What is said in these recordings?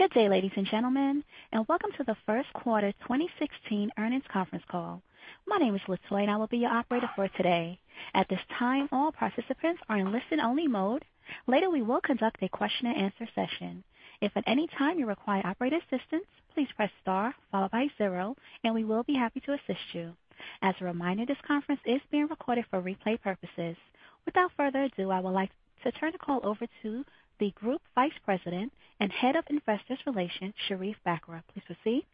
Good day, ladies and gentlemen, welcome to the first quarter 2016 earnings conference call. My name is Latoya, I will be your operator for today. At this time, all participants are in listen only mode. Later, we will conduct a question and answer session. If at any time you require operator assistance, please press star followed by zero, and we will be happy to assist you. As a reminder, this conference is being recorded for replay purposes. Without further ado, I would like to turn the call over to the Group Vice President and Head of Investor Relations, Sherief Bakr. Please proceed.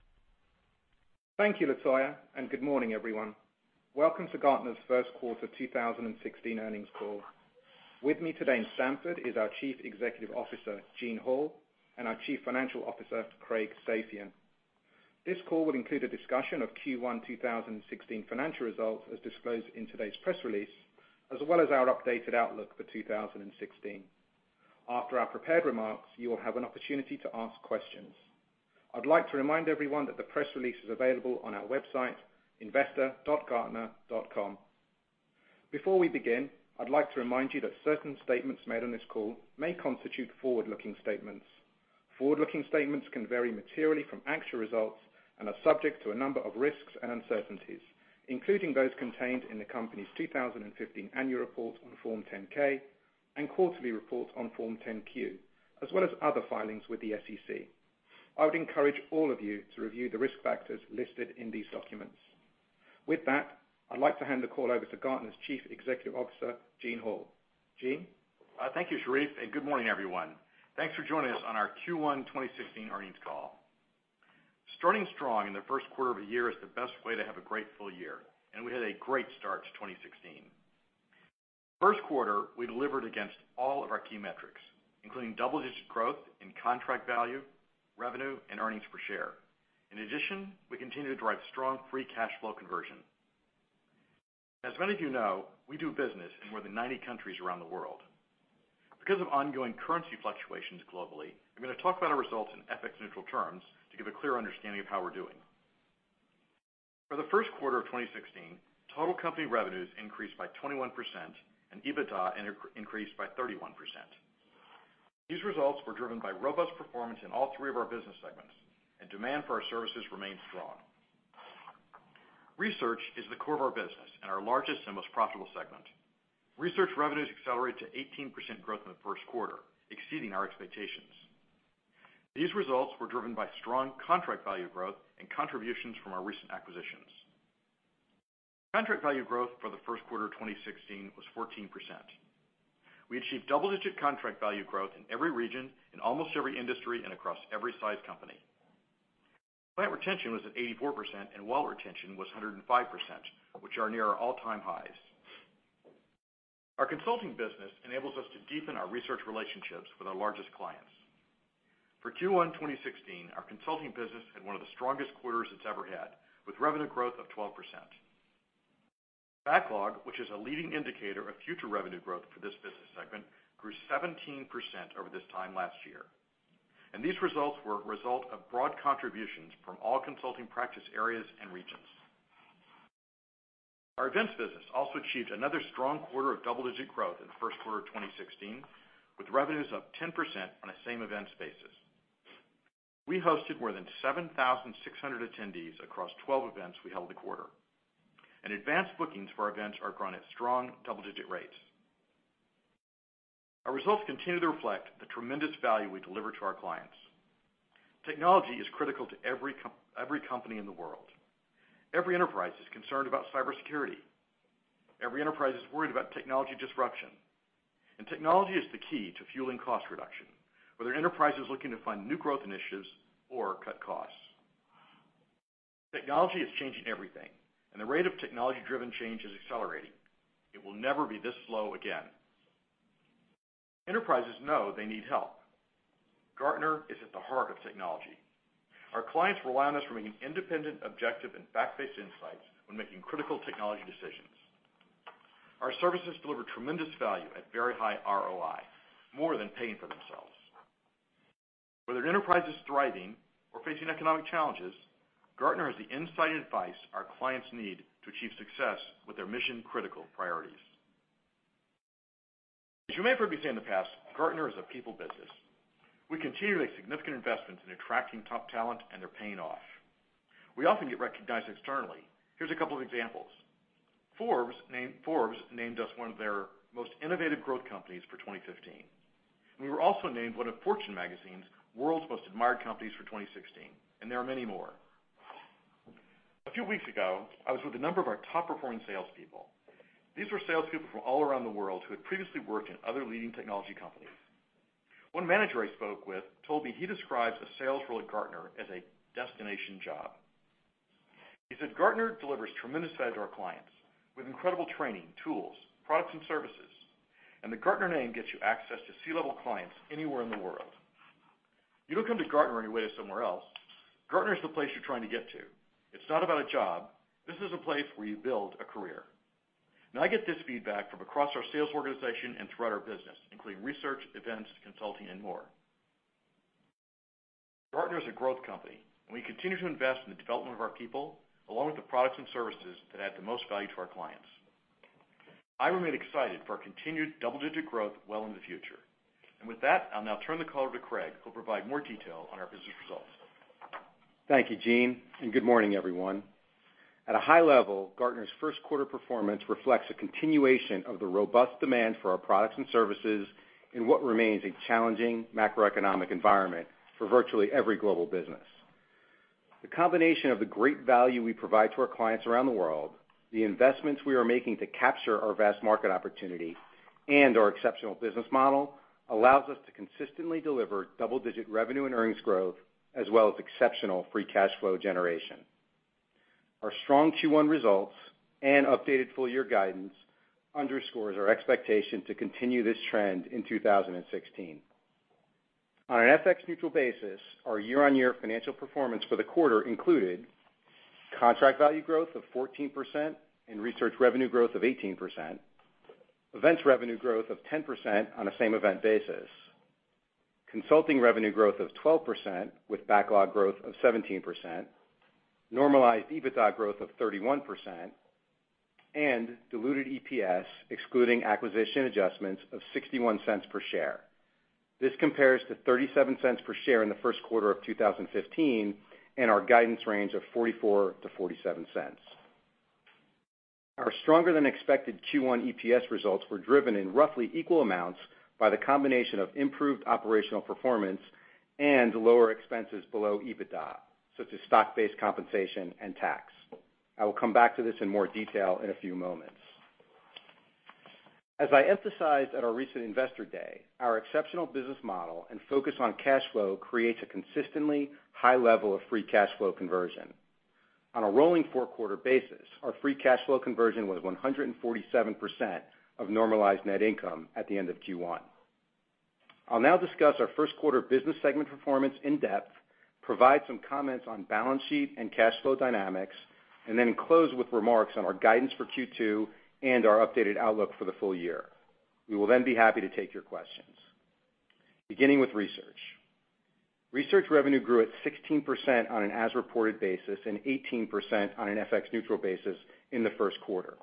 Thank you, Latoya, good morning, everyone. Welcome to Gartner's first quarter 2016 earnings call. With me today in Stamford is our Chief Executive Officer, Gene Hall, and our Chief Financial Officer, Craig Safian. This call will include a discussion of Q1 2016 financial results, as disclosed in today's press release, as well as our updated outlook for 2016. After our prepared remarks, you will have an opportunity to ask questions. I'd like to remind everyone that the press release is available on our website, investor.gartner.com. Before we begin, I'd like to remind you that certain statements made on this call may constitute forward-looking statements. Forward-looking statements can vary materially from actual results and are subject to a number of risks and uncertainties, including those contained in the company's 2015 annual report on Form 10-K and quarterly report on Form 10-Q, as well as other filings with the SEC. I would encourage all of you to review the risk factors listed in these documents. With that, I'd like to hand the call over to Gartner's Chief Executive Officer, Gene Hall. Gene? Thank you, Sherief, good morning, everyone. Thanks for joining us on our Q1 2016 earnings call. Starting strong in the first quarter of a year is the best way to have a great full year, and we had a great start to 2016. First quarter, we delivered against all of our key metrics, including double-digit growth in contract value, revenue, and earnings per share. In addition, we continue to drive strong free cash flow conversion. As many of you know, we do business in more than 90 countries around the world. Because of ongoing currency fluctuations globally, I'm going to talk about our results in FX-neutral terms to give a clear understanding of how we're doing. For the first quarter of 2016, total company revenues increased by 21%, and EBITDA increased by 31%. These results were driven by robust performance in all three of our business segments. Demand for our services remains strong. Research is the core of our business and our largest and most profitable segment. Research revenues accelerated to 18% growth in the first quarter, exceeding our expectations. These results were driven by strong contract value growth and contributions from our recent acquisitions. contract value growth for the first quarter of 2016 was 14%. We achieved double-digit contract value growth in every region, in almost every industry, and across every size company. client retention was at 84%, and wallet retention was 105%, which are near our all-time highs. Our consulting business enables us to deepen our research relationships with our largest clients. For Q1 2016, our consulting business had one of the strongest quarters it's ever had, with revenue growth of 12%. Backlog, which is a leading indicator of future revenue growth for this business segment, grew 17% over this time last year. These results were a result of broad contributions from all consulting practice areas and regions. Our events business also achieved another strong quarter of double-digit growth in the first quarter of 2016, with revenues up 10% on a same events basis. We hosted more than 7,600 attendees across 12 events we held the quarter. Advanced bookings for our events are growing at strong double-digit rates. Our results continue to reflect the tremendous value we deliver to our clients. Technology is critical to every company in the world. Every enterprise is concerned about cybersecurity. Every enterprise is worried about technology disruption. Technology is the key to fueling cost reduction, whether an enterprise is looking to find new growth initiatives or cut costs. Technology is changing everything. The rate of technology-driven change is accelerating. It will never be this slow again. Enterprises know they need help. Gartner is at the heart of technology. Our clients rely on us for making independent, objective, and fact-based insights when making critical technology decisions. Our services deliver tremendous value at very high ROI, more than paying for themselves. Whether an enterprise is thriving or facing economic challenges, Gartner has the insight and advice our clients need to achieve success with their mission-critical priorities. As you may have heard me say in the past, Gartner is a people business. We continue to make significant investments in attracting top talent. They're paying off. We often get recognized externally. Here's a couple of examples. Forbes named us one of their most innovative growth companies for 2015. We were also named one of Fortune magazine's world's most admired companies for 2016. There are many more. A few weeks ago, I was with a number of our top-performing salespeople. These were salespeople from all around the world who had previously worked in other leading technology companies. One manager I spoke with told me he describes the sales role at Gartner as a destination job. He said Gartner delivers tremendous value to our clients with incredible training, tools, products, and services. The Gartner name gets you access to C-level clients anywhere in the world. You don't come to Gartner on your way to somewhere else. Gartner is the place you're trying to get to. It's not about a job. This is a place where you build a career. I get this feedback from across our sales organization and throughout our business, including research, events, consulting, and more. Gartner is a growth company, we continue to invest in the development of our people, along with the products and services that add the most value to our clients. I remain excited for our continued double-digit growth well into the future. With that, I'll now turn the call over to Craig, who'll provide more detail on our business results. Thank you, Gene, good morning, everyone. At a high level, Gartner's first quarter performance reflects a continuation of the robust demand for our products and services in what remains a challenging macroeconomic environment for virtually every global business. The combination of the great value we provide to our clients around the world, the investments we are making to capture our vast market opportunity, our exceptional business model, allows us to consistently deliver double-digit revenue and earnings growth, as well as exceptional free cash flow generation. Our strong Q1 results and updated full-year guidance underscores our expectation to continue this trend in 2016. On an FX-neutral basis, our year-over-year financial performance for the quarter included contract value growth of 14% and research revenue growth of 18%, events revenue growth of 10% on a same-event basis, consulting revenue growth of 12%, with backlog growth of 17%, normalized EBITDA growth of 31%, diluted EPS, excluding acquisition adjustments, of $0.61 per share. This compares to $0.37 per share in the first quarter of 2015 and our guidance range of $0.44-$0.47. Our stronger-than-expected Q1 EPS results were driven in roughly equal amounts by the combination of improved operational performance and lower expenses below EBITDA, such as stock-based compensation and tax. I will come back to this in more detail in a few moments. As I emphasized at our recent Investor Day, our exceptional business model and focus on cash flow creates a consistently high level of free cash flow conversion. On a rolling four-quarter basis, our free cash flow conversion was 147% of normalized net income at the end of Q1. I'll now discuss our first quarter business segment performance in depth, provide some comments on balance sheet and cash flow dynamics, then close with remarks on our guidance for Q2 and our updated outlook for the full year. We will then be happy to take your questions. Beginning with research. Research revenue grew at 16% on an as-reported basis and 18% on an FX-neutral basis in the first quarter.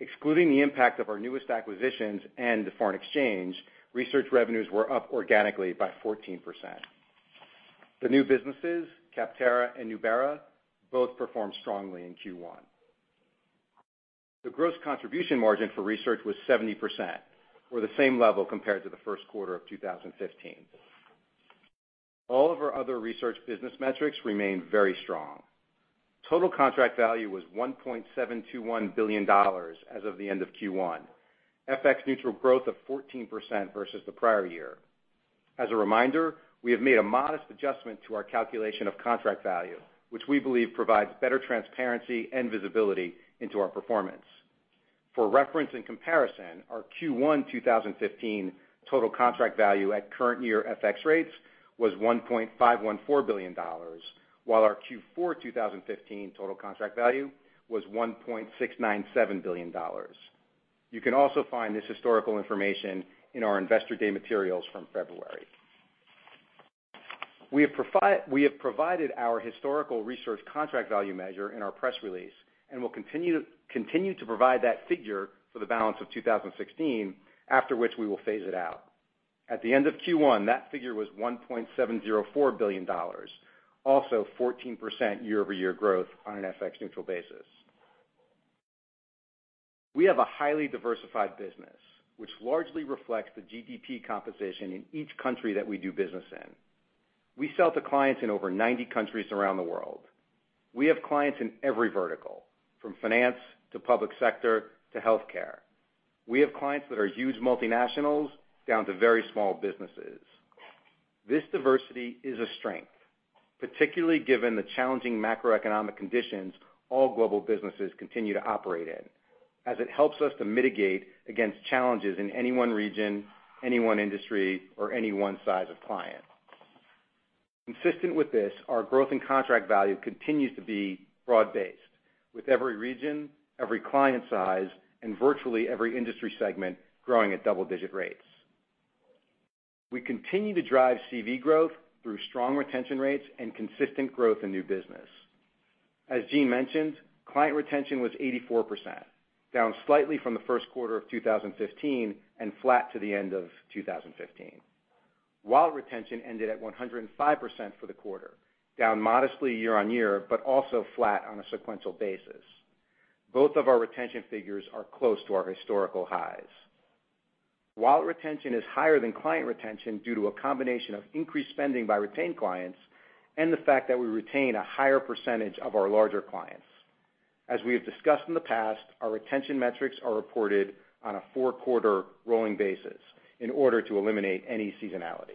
Excluding the impact of our newest acquisitions and the foreign exchange, research revenues were up organically by 14%. The new businesses, Capterra and Nubera, both performed strongly in Q1. The gross contribution margin for research was 70%, or the same level compared to the first quarter of 2015. All of our other research business metrics remain very strong. Total contract value was $1.721 billion as of the end of Q1, FX-neutral growth of 14% versus the prior year. As a reminder, we have made a modest adjustment to our calculation of contract value, which we believe provides better transparency and visibility into our performance. For reference and comparison, our Q1 2015 total contract value at current year FX rates was $1.514 billion, while our Q4 2015 total contract value was $1.697 billion. You can also find this historical information in our Investor Day materials from February. We have provided our historical research contract value measure in our press release, and will continue to provide that figure for the balance of 2016, after which we will phase it out. At the end of Q1, that figure was $1.704 billion. Also, 14% year-over-year growth on an FX-neutral basis. We have a highly diversified business, which largely reflects the GDP composition in each country that we do business in. We sell to clients in over 90 countries around the world. We have clients in every vertical, from finance to public sector to healthcare. We have clients that are huge multinationals down to very small businesses. This diversity is a strength, particularly given the challenging macroeconomic conditions all global businesses continue to operate in, as it helps us to mitigate against challenges in any one region, any one industry, or any one size of client. Consistent with this, our growth in contract value continues to be broad-based, with every region, every client size, and virtually every industry segment growing at double-digit rates. We continue to drive CV growth through strong retention rates and consistent growth in new business. As Gene mentioned, client retention was 84%, down slightly from the first quarter of 2015 and flat to the end of 2015. Wallet retention ended at 105% for the quarter, down modestly year-on-year, but also flat on a sequential basis. Both of our retention figures are close to our historical highs. Wallet retention is higher than client retention due to a combination of increased spending by retained clients and the fact that we retain a higher percentage of our larger clients. As we have discussed in the past, our retention metrics are reported on a four-quarter rolling basis in order to eliminate any seasonality.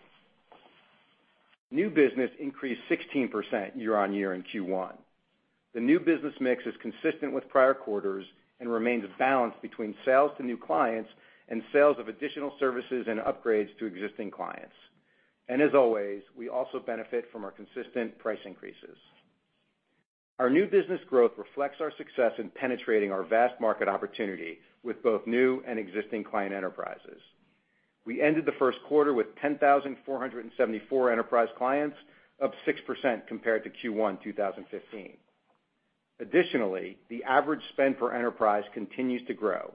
New business increased 16% year-on-year in Q1. The new business mix is consistent with prior quarters and remains balanced between sales to new clients and sales of additional services and upgrades to existing clients. As always, we also benefit from our consistent price increases. Our new business growth reflects our success in penetrating our vast market opportunity with both new and existing client enterprises. We ended the first quarter with 10,474 enterprise clients, up 6% compared to Q1 2015. Additionally, the average spend per enterprise continues to grow,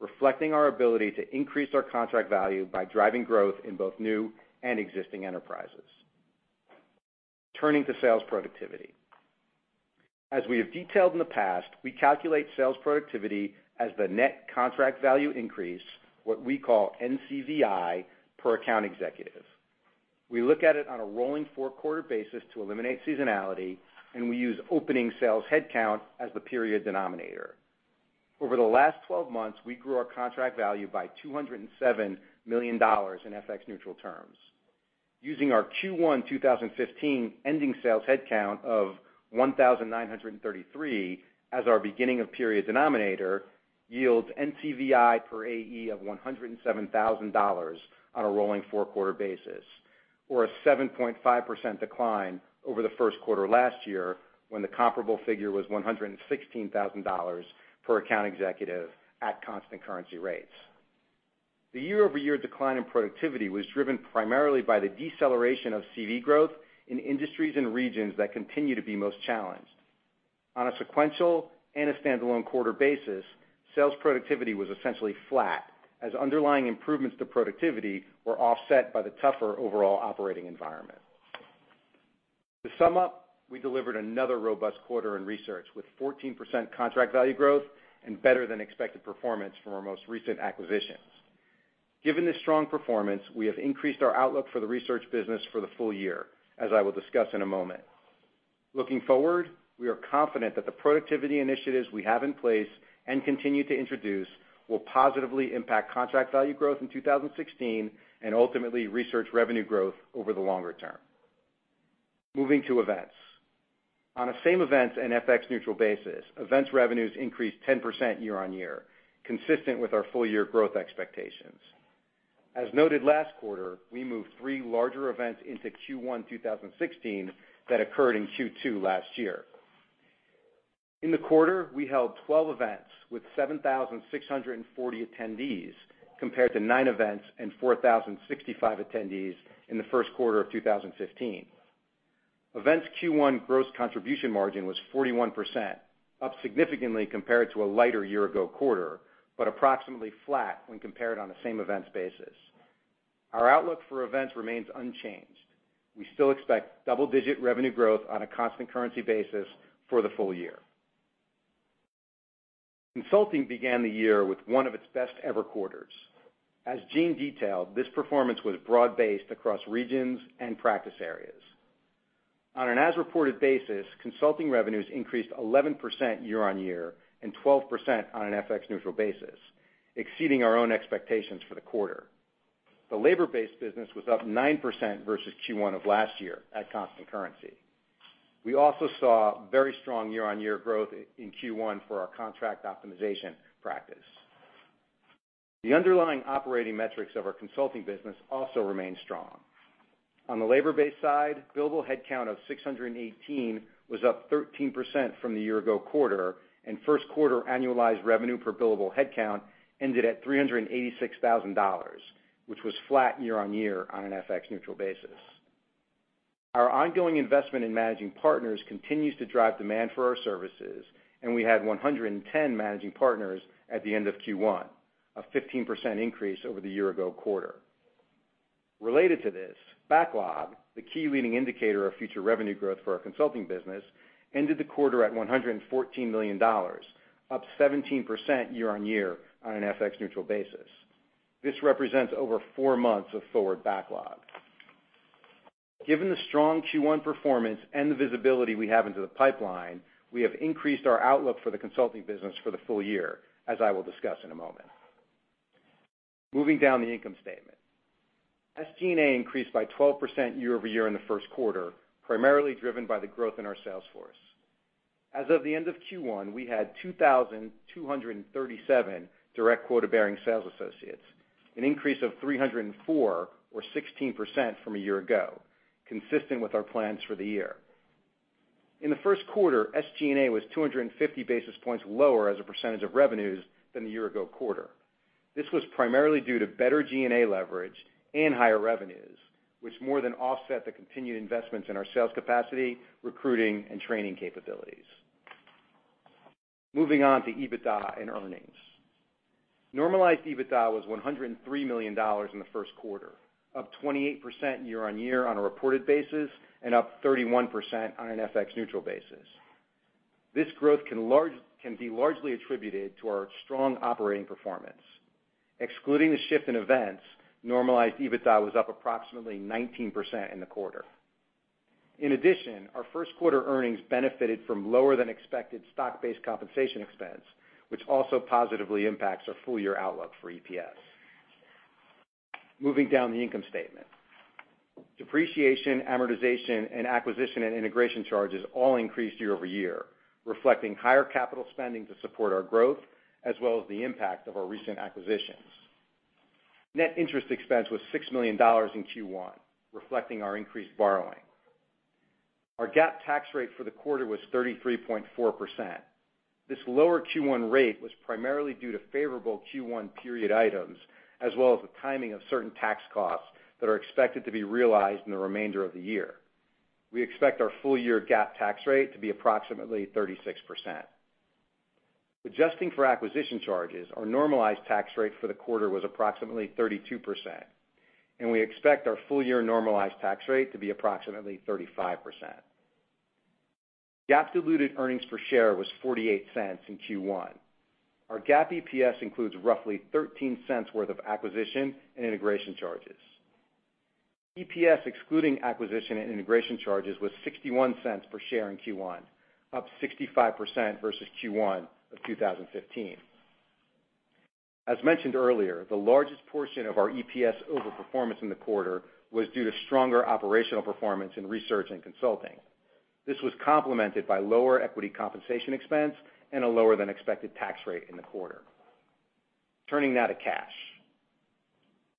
reflecting our ability to increase our contract value by driving growth in both new and existing enterprises. Turning to sales productivity. As we have detailed in the past, we calculate sales productivity as the net contract value increase, what we call NCVI, per account executive. We look at it on a rolling four-quarter basis to eliminate seasonality, and we use opening sales headcount as the period denominator. Over the last 12 months, we grew our contract value by $207 million in FX-neutral terms. Using our Q1 2015 ending sales headcount of 1,933 as our beginning of period denominator yields NCVI per AE of $107,000 on a rolling four-quarter basis or a 7.5% decline over the first quarter last year, when the comparable figure was $116,000 per account executive at constant currency rates. The year-over-year decline in productivity was driven primarily by the deceleration of CV growth in industries and regions that continue to be most challenged. On a sequential and a standalone quarter basis, sales productivity was essentially flat as underlying improvements to productivity were offset by the tougher overall operating environment. To sum up, we delivered another robust quarter in research with 14% contract value growth and better than expected performance from our most recent acquisitions. Given this strong performance, we have increased our outlook for the research business for the full year, as I will discuss in a moment. Looking forward, we are confident that the productivity initiatives we have in place and continue to introduce will positively impact contract value growth in 2016 and ultimately research revenue growth over the longer term. Moving to Events. On a same events and FX-neutral basis, Events revenues increased 10% year-on-year, consistent with our full year growth expectations. As noted last quarter, we moved three larger events into Q1 2016 that occurred in Q2 last year. In the quarter, we held 12 events with 7,640 attendees, compared to nine events and 4,065 attendees in the first quarter of 2015. Events Q1 gross contribution margin was 41%, up significantly compared to a lighter year-ago quarter, but approximately flat when compared on a same events basis. Our outlook for Events remains unchanged. We still expect double-digit revenue growth on a constant currency basis for the full year. Consulting began the year with one of its best ever quarters. As Gene detailed, this performance was broad-based across regions and practice areas. On an as-reported basis, Consulting revenues increased 11% year-on-year and 12% on an FX-neutral basis, exceeding our own expectations for the quarter. The labor-based business was up 9% versus Q1 of last year at constant currency. We also saw very strong year-on-year growth in Q1 for our contract optimization practice. The underlying operating metrics of our Consulting business also remain strong. On the labor-based side, billable headcount of 618 was up 13% from the year-ago quarter, and first quarter annualized revenue per billable headcount ended at $386,000, which was flat year-on-year on an FX-neutral basis. Our ongoing investment in managing partners continues to drive demand for our services, and we had 110 managing partners at the end of Q1, a 15% increase over the year-ago quarter. Related to this, backlog, the key leading indicator of future revenue growth for our Consulting business, ended the quarter at $114 million, up 17% year-on-year on an FX-neutral basis. This represents over four months of forward backlog. Given the strong Q1 performance and the visibility we have into the pipeline, we have increased our outlook for the Consulting business for the full year, as I will discuss in a moment. Moving down the income statement. SG&A increased by 12% year-over-year in the first quarter, primarily driven by the growth in our sales force. As of the end of Q1, we had 2,237 direct quota-bearing sales associates, an increase of 304 or 16% from a year ago, consistent with our plans for the year. In the first quarter, SG&A was 250 basis points lower as a percentage of revenues than the year-ago quarter. This was primarily due to better G&A leverage and higher revenues, which more than offset the continued investments in our sales capacity, recruiting, and training capabilities. Moving on to EBITDA and earnings. Normalized EBITDA was $103 million in the first quarter, up 28% year-on-year on a reported basis and up 31% on an FX-neutral basis. This growth can be largely attributed to our strong operating performance. Excluding the shift in Events, normalized EBITDA was up approximately 19% in the quarter. Our first quarter earnings benefited from lower than expected stock-based compensation expense, which also positively impacts our full-year outlook for EPS. Moving down the income statement. Depreciation, amortization, and acquisition and integration charges all increased year-over-year, reflecting higher capital spending to support our growth, as well as the impact of our recent acquisitions. Net interest expense was $6 million in Q1, reflecting our increased borrowing. Our GAAP tax rate for the quarter was 33.4%. This lower Q1 rate was primarily due to favorable Q1 period items, as well as the timing of certain tax costs that are expected to be realized in the remainder of the year. We expect our full-year GAAP tax rate to be approximately 36%. Adjusting for acquisition charges, our normalized tax rate for the quarter was approximately 32%, and we expect our full-year normalized tax rate to be approximately 35%. GAAP diluted earnings per share was $0.48 in Q1. Our GAAP EPS includes roughly $0.13 worth of acquisition and integration charges. EPS, excluding acquisition and integration charges, was $0.61 per share in Q1, up 65% versus Q1 of 2015. As mentioned earlier, the largest portion of our EPS over-performance in the quarter was due to stronger operational performance in research and consulting. This was complemented by lower equity compensation expense and a lower than expected tax rate in the quarter. Turning now to cash.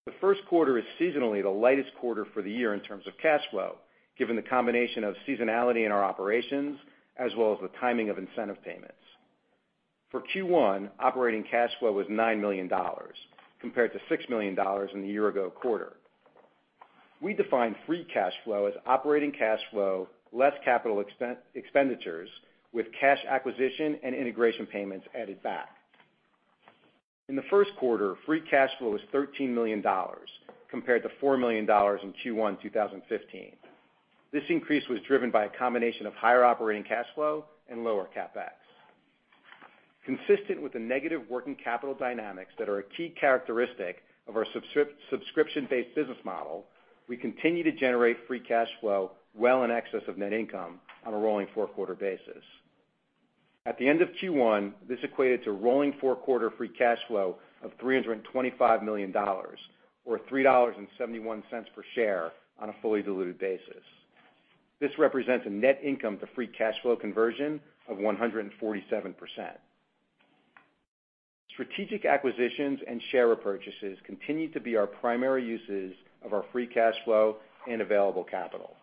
The first quarter is seasonally the lightest quarter for the year in terms of cash flow, given the combination of seasonality in our operations as well as the timing of incentive payments. For Q1, operating cash flow was $9 million compared to $6 million in the year-ago quarter. We define free cash flow as operating cash flow less capital expenditures, with cash acquisition and integration payments added back. In the first quarter, free cash flow was $13 million compared to $4 million in Q1 2015. This increase was driven by a combination of higher operating cash flow and lower CapEx. Consistent with the negative working capital dynamics that are a key characteristic of our subscription-based business model, we continue to generate free cash flow well in excess of net income on a rolling four-quarter basis. At the end of Q1, this equated to rolling four-quarter free cash flow of $325 million or $3.71 per share on a fully diluted basis. This represents a net income to free cash flow conversion of 147%. Strategic acquisitions and share repurchases continue to be our primary uses of our free cash flow and available capital.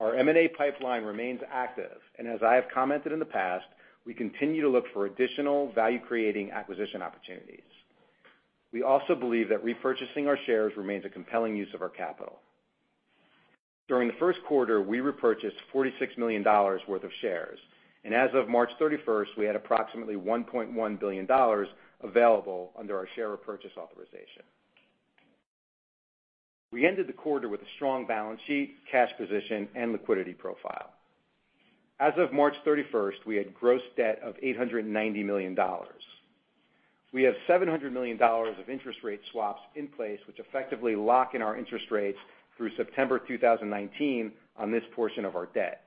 Our M&A pipeline remains active. As I have commented in the past, we continue to look for additional value-creating acquisition opportunities. We also believe that repurchasing our shares remains a compelling use of our capital. During the first quarter, we repurchased $46 million worth of shares, and as of March 31st, we had approximately $1.1 billion available under our share repurchase authorization. We ended the quarter with a strong balance sheet, cash position, and liquidity profile. As of March 31st, we had gross debt of $890 million. We have $700 million of interest rate swaps in place, which effectively lock in our interest rates through September 2019 on this portion of our debt.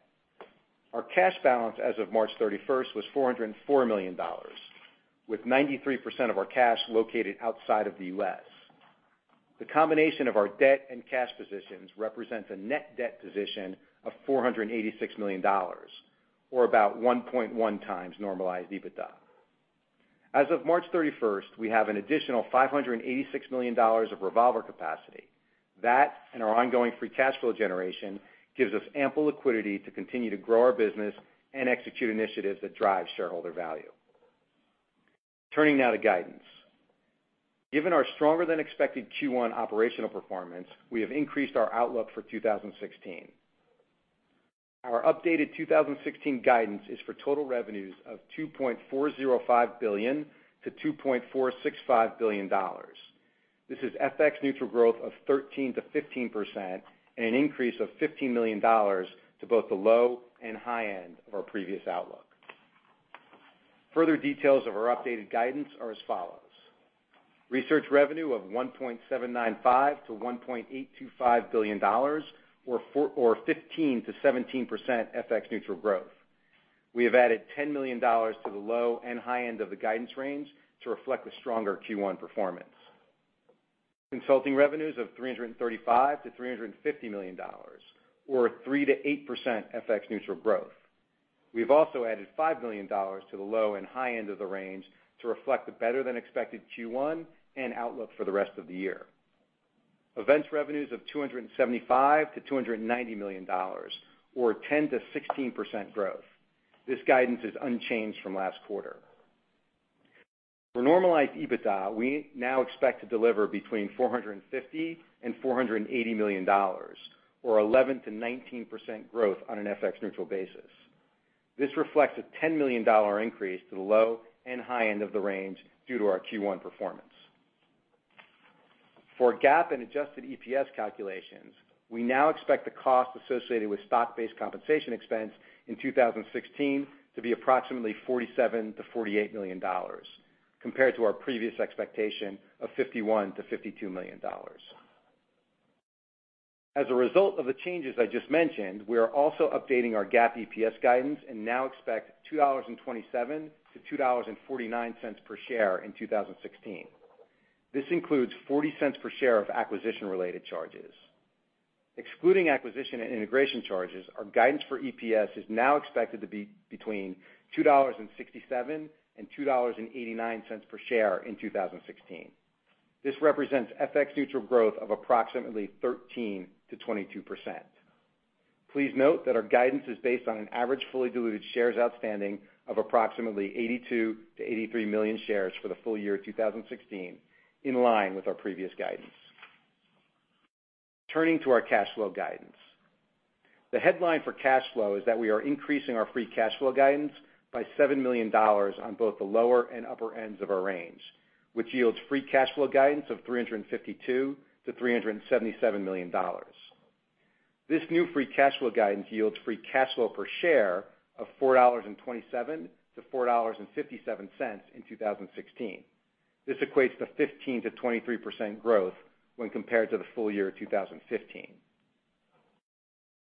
Our cash balance as of March 31st was $404 million, with 93% of our cash located outside of the U.S. The combination of our debt and cash positions represents a net debt position of $486 million or about 1.1 times normalized EBITDA. As of March 31st, we have an additional $586 million of revolver capacity. Our ongoing free cash flow generation gives us ample liquidity to continue to grow our business and execute initiatives that drive shareholder value. Turning now to guidance. Given our stronger than expected Q1 operational performance, we have increased our outlook for 2016. Our updated 2016 guidance is for total revenues of $2.405 billion-$2.465 billion. This is FX-neutral growth of 13%-15% and an increase of $15 million to both the low and high end of our previous outlook. Further details of our updated guidance are as follows. Research revenue of $1.795 billion-$1.825 billion or 15%-17% FX-neutral growth. We have added $10 million to the low and high end of the guidance range to reflect the stronger Q1 performance. Consulting revenues of $335 million-$350 million or 3%-8% FX-neutral growth. We've also added $5 million to the low and high end of the range to reflect the better than expected Q1 and outlook for the rest of the year. Events revenues of $275 million-$290 million or 10%-16% growth. This guidance is unchanged from last quarter. For normalized EBITDA, we now expect to deliver between $450 million and $480 million or 11%-19% growth on an FX-neutral basis. This reflects a $10 million increase to the low and high end of the range due to our Q1 performance. For GAAP and adjusted EPS calculations, we now expect the cost associated with stock-based compensation expense in 2016 to be approximately $47 million-$48 million compared to our previous expectation of $51 million-$52 million. As a result of the changes I just mentioned, we are also updating our GAAP EPS guidance and now expect $2.27-$2.49 per share in 2016. This includes $0.40 per share of acquisition-related charges. Excluding acquisition and integration charges, our guidance for EPS is now expected to be between $2.67 and $2.89 per share in 2016. This represents FX-neutral growth of approximately 13%-22%. Please note that our guidance is based on an average fully diluted shares outstanding of approximately 82 million-83 million shares for the full year 2016, in line with our previous guidance. Turning to our cash flow guidance. The headline for cash flow is that we are increasing our free cash flow guidance by $7 million on both the lower and upper ends of our range, which yields free cash flow guidance of $352 million-$377 million. This new free cash flow guidance yields free cash flow per share of $4.27-$4.57 in 2016. This equates to 15%-23% growth when compared to the full year 2015.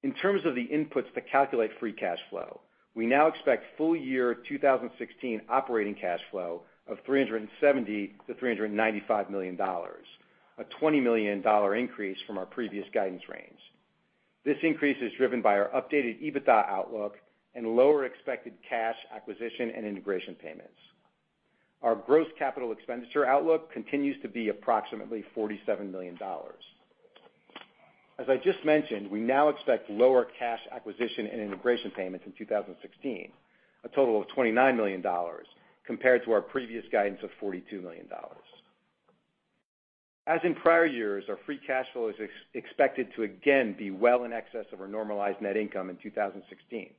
In terms of the inputs to calculate free cash flow, we now expect full year 2016 operating cash flow of $370 million-$395 million, a $20 million increase from our previous guidance range. This increase is driven by our updated EBITDA outlook and lower expected cash acquisition and integration payments. Our gross capital expenditure outlook continues to be approximately $47 million. As I just mentioned, we now expect lower cash acquisition and integration payments in 2016, a total of $29 million compared to our previous guidance of $42 million. As in prior years, our free cash flow is expected to again be well in excess of our normalized net income in 2016.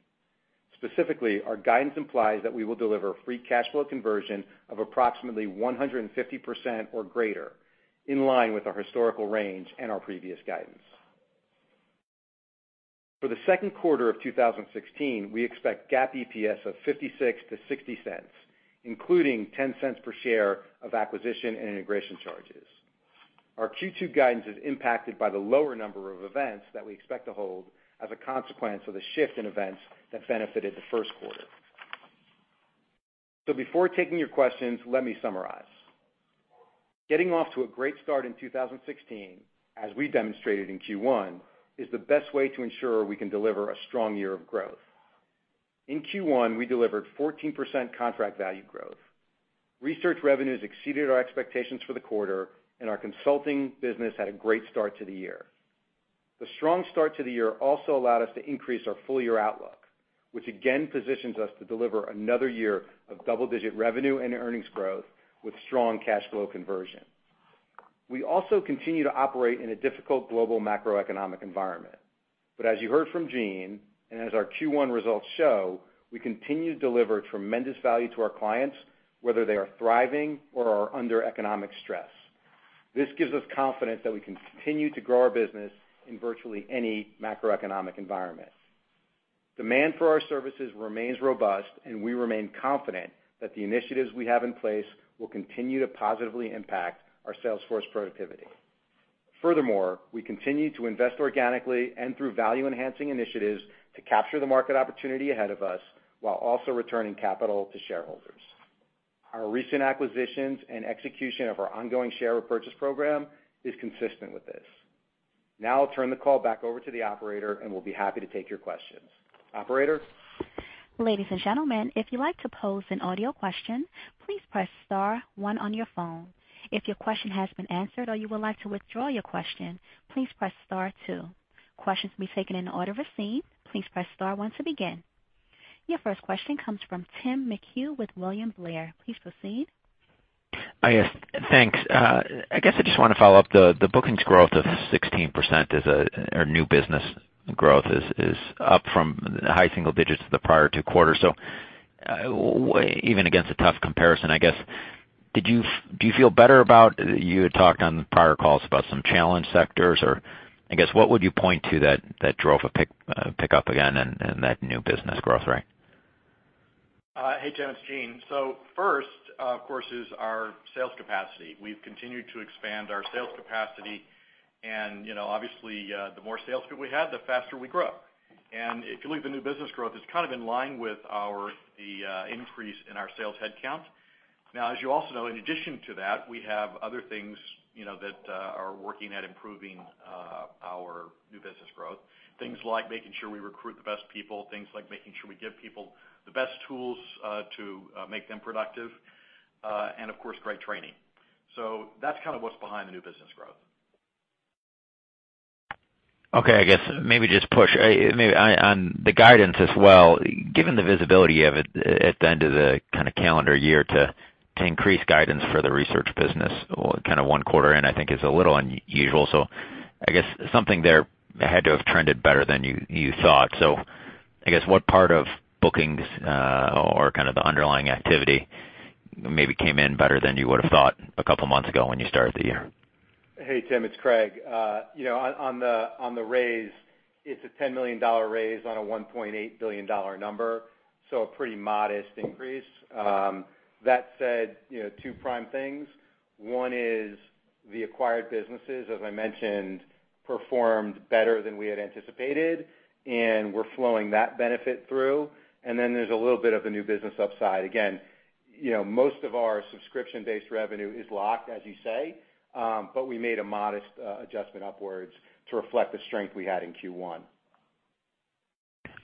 Specifically, our guidance implies that we will deliver free cash flow conversion of approximately 150% or greater, in line with our historical range and our previous guidance. For the second quarter of 2016, we expect GAAP EPS of $0.56-$0.60, including $0.10 per share of acquisition and integration charges. Our Q2 guidance is impacted by the lower number of events that we expect to hold as a consequence of the shift in events that benefited the first quarter. Before taking your questions, let me summarize. Getting off to a great start in 2016, as we demonstrated in Q1, is the best way to ensure we can deliver a strong year of growth. In Q1, we delivered 14% contract value growth. Research revenues exceeded our expectations for the quarter, and our consulting business had a great start to the year. The strong start to the year also allowed us to increase our full-year outlook, which again positions us to deliver another year of double-digit revenue and earnings growth with strong cash flow conversion. We also continue to operate in a difficult global macroeconomic environment. As you heard from Gene, and as our Q1 results show, we continue to deliver tremendous value to our clients, whether they are thriving or are under economic stress. This gives us confidence that we can continue to grow our business in virtually any macroeconomic environment. Demand for our services remains robust, and we remain confident that the initiatives we have in place will continue to positively impact our sales force productivity. Furthermore, we continue to invest organically and through value-enhancing initiatives to capture the market opportunity ahead of us while also returning capital to shareholders. Our recent acquisitions and execution of our ongoing share repurchase program is consistent with this. Now I'll turn the call back over to the operator, and we'll be happy to take your questions. Operator? Ladies and gentlemen, if you'd like to pose an audio question, please press star one on your phone. If your question has been answered or you would like to withdraw your question, please press star two. Questions will be taken in the order received. Please press star one to begin. Your first question comes from Timothy McHugh with William Blair. Please proceed. Yes, thanks. I guess I just want to follow up the bookings growth of 16% or new business growth is up from high single digits the prior two quarters. Even against a tough comparison, I guess, you had talked on prior calls about some challenge sectors or, I guess, what would you point to that drove a pickup again in that new business growth rate? Hey, Tim, it's Gene. First, of course, is our sales capacity. We've continued to expand our sales capacity, and obviously, the more sales people we have, the faster we grow. If you look at the new business growth, it's kind of in line with the increase in our sales headcount. As you also know, in addition to that, we have other things that are working at improving our new business growth. Things like making sure we recruit the best people, things like making sure we give people the best tools to make them productive, and of course, great training. That's kind of what's behind the new business growth. Okay. I guess maybe just push on the guidance as well. Given the visibility of it at the end of the calendar year to increase guidance for the research business one quarter in, I think is a little unusual. I guess something there had to have trended better than you thought. I guess what part of bookings or kind of the underlying activity maybe came in better than you would have thought a couple of months ago when you started the year? Hey, Tim, it's Craig. On the raise, it's a $10 million raise on a $1.8 billion number, a pretty modest increase. That said, two prime things. One is the acquired businesses, as I mentioned, performed better than we had anticipated, and we're flowing that benefit through. There's a little bit of a new business upside. Again, most of our subscription-based revenue is locked, as you say, but we made a modest adjustment upwards to reflect the strength we had in Q1.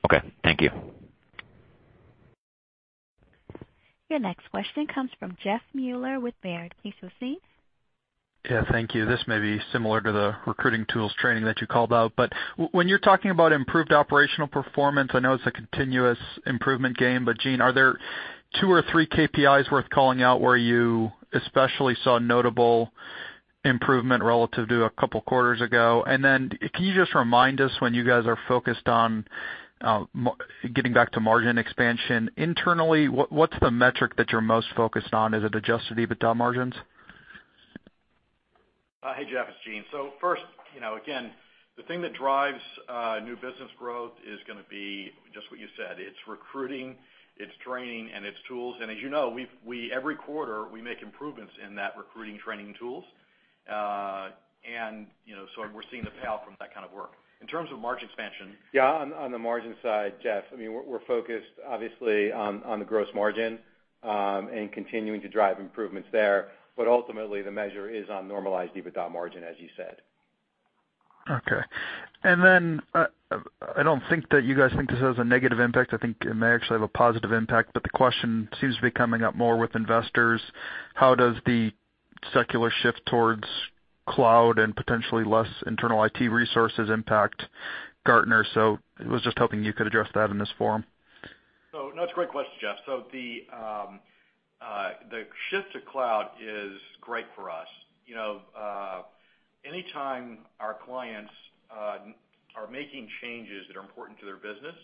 Okay. Thank you. Your next question comes from Jeffrey Meuler with Baird. Please proceed. Thank you. This may be similar to the recruiting tools training that you called out, but when you're talking about improved operational performance, I know it's a continuous improvement game, but Gene, are there two or three KPIs worth calling out where you especially saw notable improvement relative to a couple of quarters ago? Can you just remind us when you guys are focused on getting back to margin expansion internally, what's the metric that you're most focused on? Is it adjusted EBITDA margins? Hey, Jeff, it's Gene. First, again, the thing that drives new business growth is going to be just what you said. It's recruiting, it's training, and it's tools. As you know, every quarter, we make improvements in that recruiting, training, tools. We're seeing the payout from that kind of work. In terms of margin expansion- Yeah, on the margin side, Jeff, we're focused, obviously, on the gross margin, and continuing to drive improvements there. Ultimately, the measure is on normalized EBITDA margin, as you said. Okay. I don't think that you guys think this has a negative impact. I think it may actually have a positive impact, but the question seems to be coming up more with investors. How does the secular shift towards cloud and potentially less internal IT resources impact Gartner? I was just hoping you could address that in this forum. No, that's a great question, Jeff. The shift to cloud is great for us. Anytime our clients are making changes that are important to their business,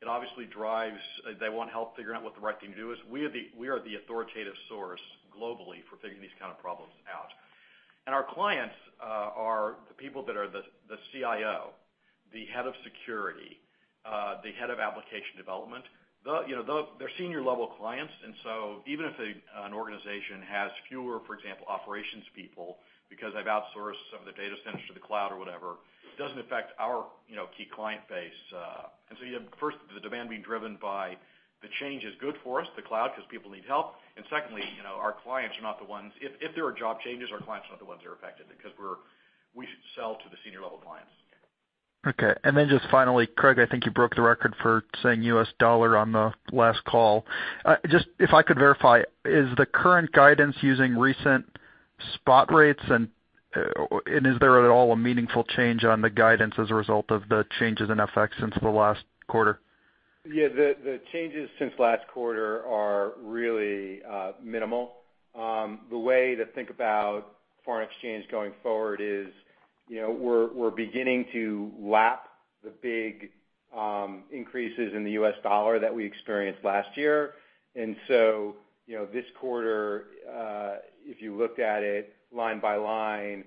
it obviously drives. They want help figuring out what the right thing to do is. We are the authoritative source globally for figuring these kind of problems out. Our clients are the people that are the CIO, the head of security, the head of application development. They're senior-level clients, even if an organization has fewer, for example, operations people, because they've outsourced some of the data centers to the cloud or whatever, it doesn't affect our key client base. First, the demand being driven by the change is good for us, the cloud, because people need help. Secondly, our clients are not the ones. If there are job changes, our clients are not the ones that are affected because we sell to the senior-level clients. Okay. Just finally, Craig, I think you broke the record for saying US dollar on the last call. Just if I could verify, is the current guidance using recent spot rates, and is there at all a meaningful change on the guidance as a result of the changes in FX since the last quarter? Yeah. The changes since last quarter are really minimal. The way to think about foreign exchange going forward is, we're beginning to lap the big increases in the US dollar that we experienced last year. This quarter, if you looked at it line by line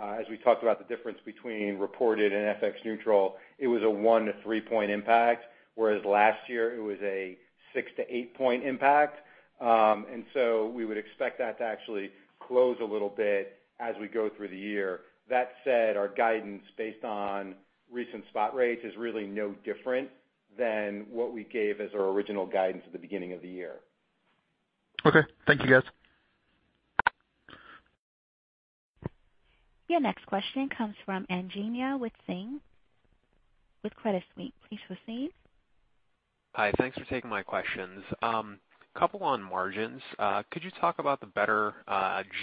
as we talked about the difference between reported and FX-neutral, it was a one- to three-point impact, whereas last year, it was a six- to eight-point impact. We would expect that to actually close a little bit as we go through the year. That said, our guidance based on recent spot rates is really no different than what we gave as our original guidance at the beginning of the year. Okay. Thank you, guys. Your next question comes from Anjaneya Singh with Credit Suisse. Please proceed. Hi. Thanks for taking my questions. Couple on margins. Could you talk about the better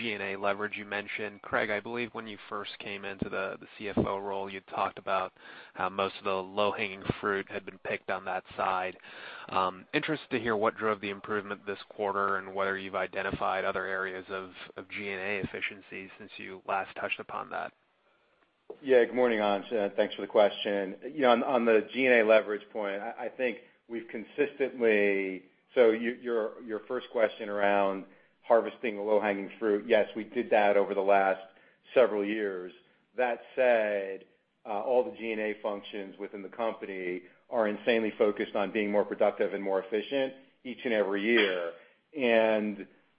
G&A leverage you mentioned? Craig, I believe when you first came into the CFO role, you talked about how most of the low-hanging fruit had been picked on that side. Interested to hear what drove the improvement this quarter and whether you've identified other areas of G&A efficiency since you last touched upon that. Yeah. Good morning, Anj. Thanks for the question. On the G&A leverage point, I think we've consistently. Your first question around harvesting the low-hanging fruit, yes, we did that over the last several years. That said, all the G&A functions within the company are insanely focused on being more productive and more efficient each and every year.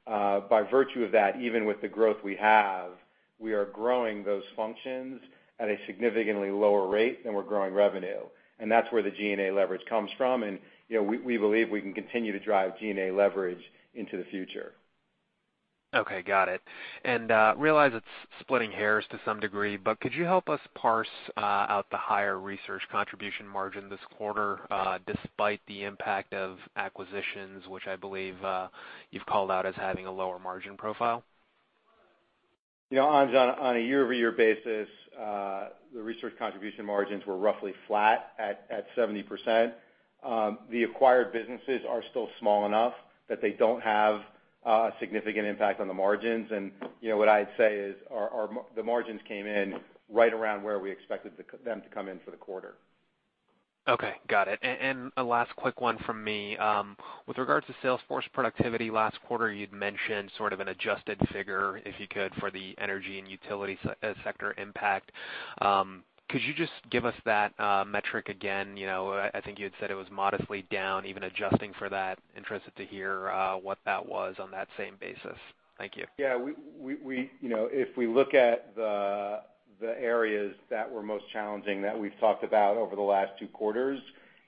By virtue of that, even with the growth we have, we are growing those functions at a significantly lower rate than we're growing revenue. And that's where the G&A leverage comes from, and we believe we can continue to drive G&A leverage into the future. Okay. Got it. Realize it's splitting hairs to some degree, but could you help us parse out the higher research contribution margin this quarter, despite the impact of acquisitions, which I believe, you've called out as having a lower margin profile? Anj, on a year-over-year basis, the research contribution margins were roughly flat at 70%. The acquired businesses are still small enough that they don't have a significant impact on the margins. What I'd say is the margins came in right around where we expected them to come in for the quarter. Okay. Got it. A last quick one from me. With regards to sales force productivity, last quarter you'd mentioned sort of an adjusted figure, if you could, for the energy and utility sector impact. Could you just give us that metric again? I think you had said it was modestly down, even adjusting for that. Interested to hear what that was on that same basis. Thank you. Yeah. If we look at the areas that were most challenging that we've talked about over the last two quarters,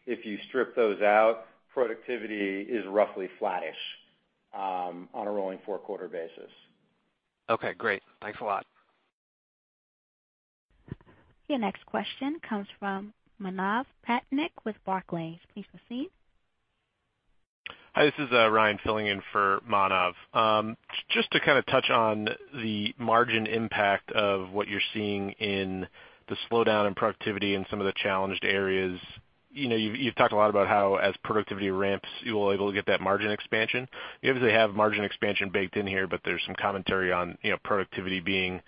if you strip those out, productivity is roughly flattish on a rolling four-quarter basis. Okay, great. Thanks a lot. Your next question comes from Manav Patnaik with Barclays. Please proceed. Hi, this is Ryan filling in for Manav. Just to touch on the margin impact of what you're seeing in the slowdown in productivity in some of the challenged areas. You've talked a lot about how as productivity ramps, you will able to get that margin expansion. You obviously have margin expansion baked in here, but there's some commentary on productivity being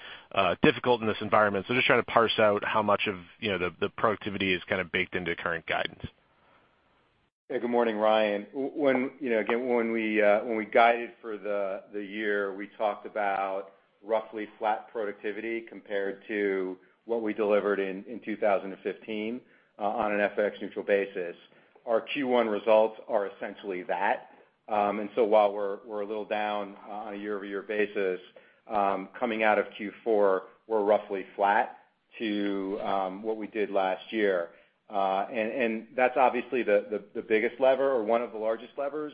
difficult in this environment. Just trying to parse out how much of the productivity is baked into current guidance. Good morning, Ryan. Again, when we guided for the year, we talked about roughly flat productivity compared to what we delivered in 2015, on an FX-neutral basis. Our Q1 results are essentially that. While we're a little down on a year-over-year basis, coming out of Q4, we're roughly flat to what we did last year. That's obviously the biggest lever or one of the largest levers,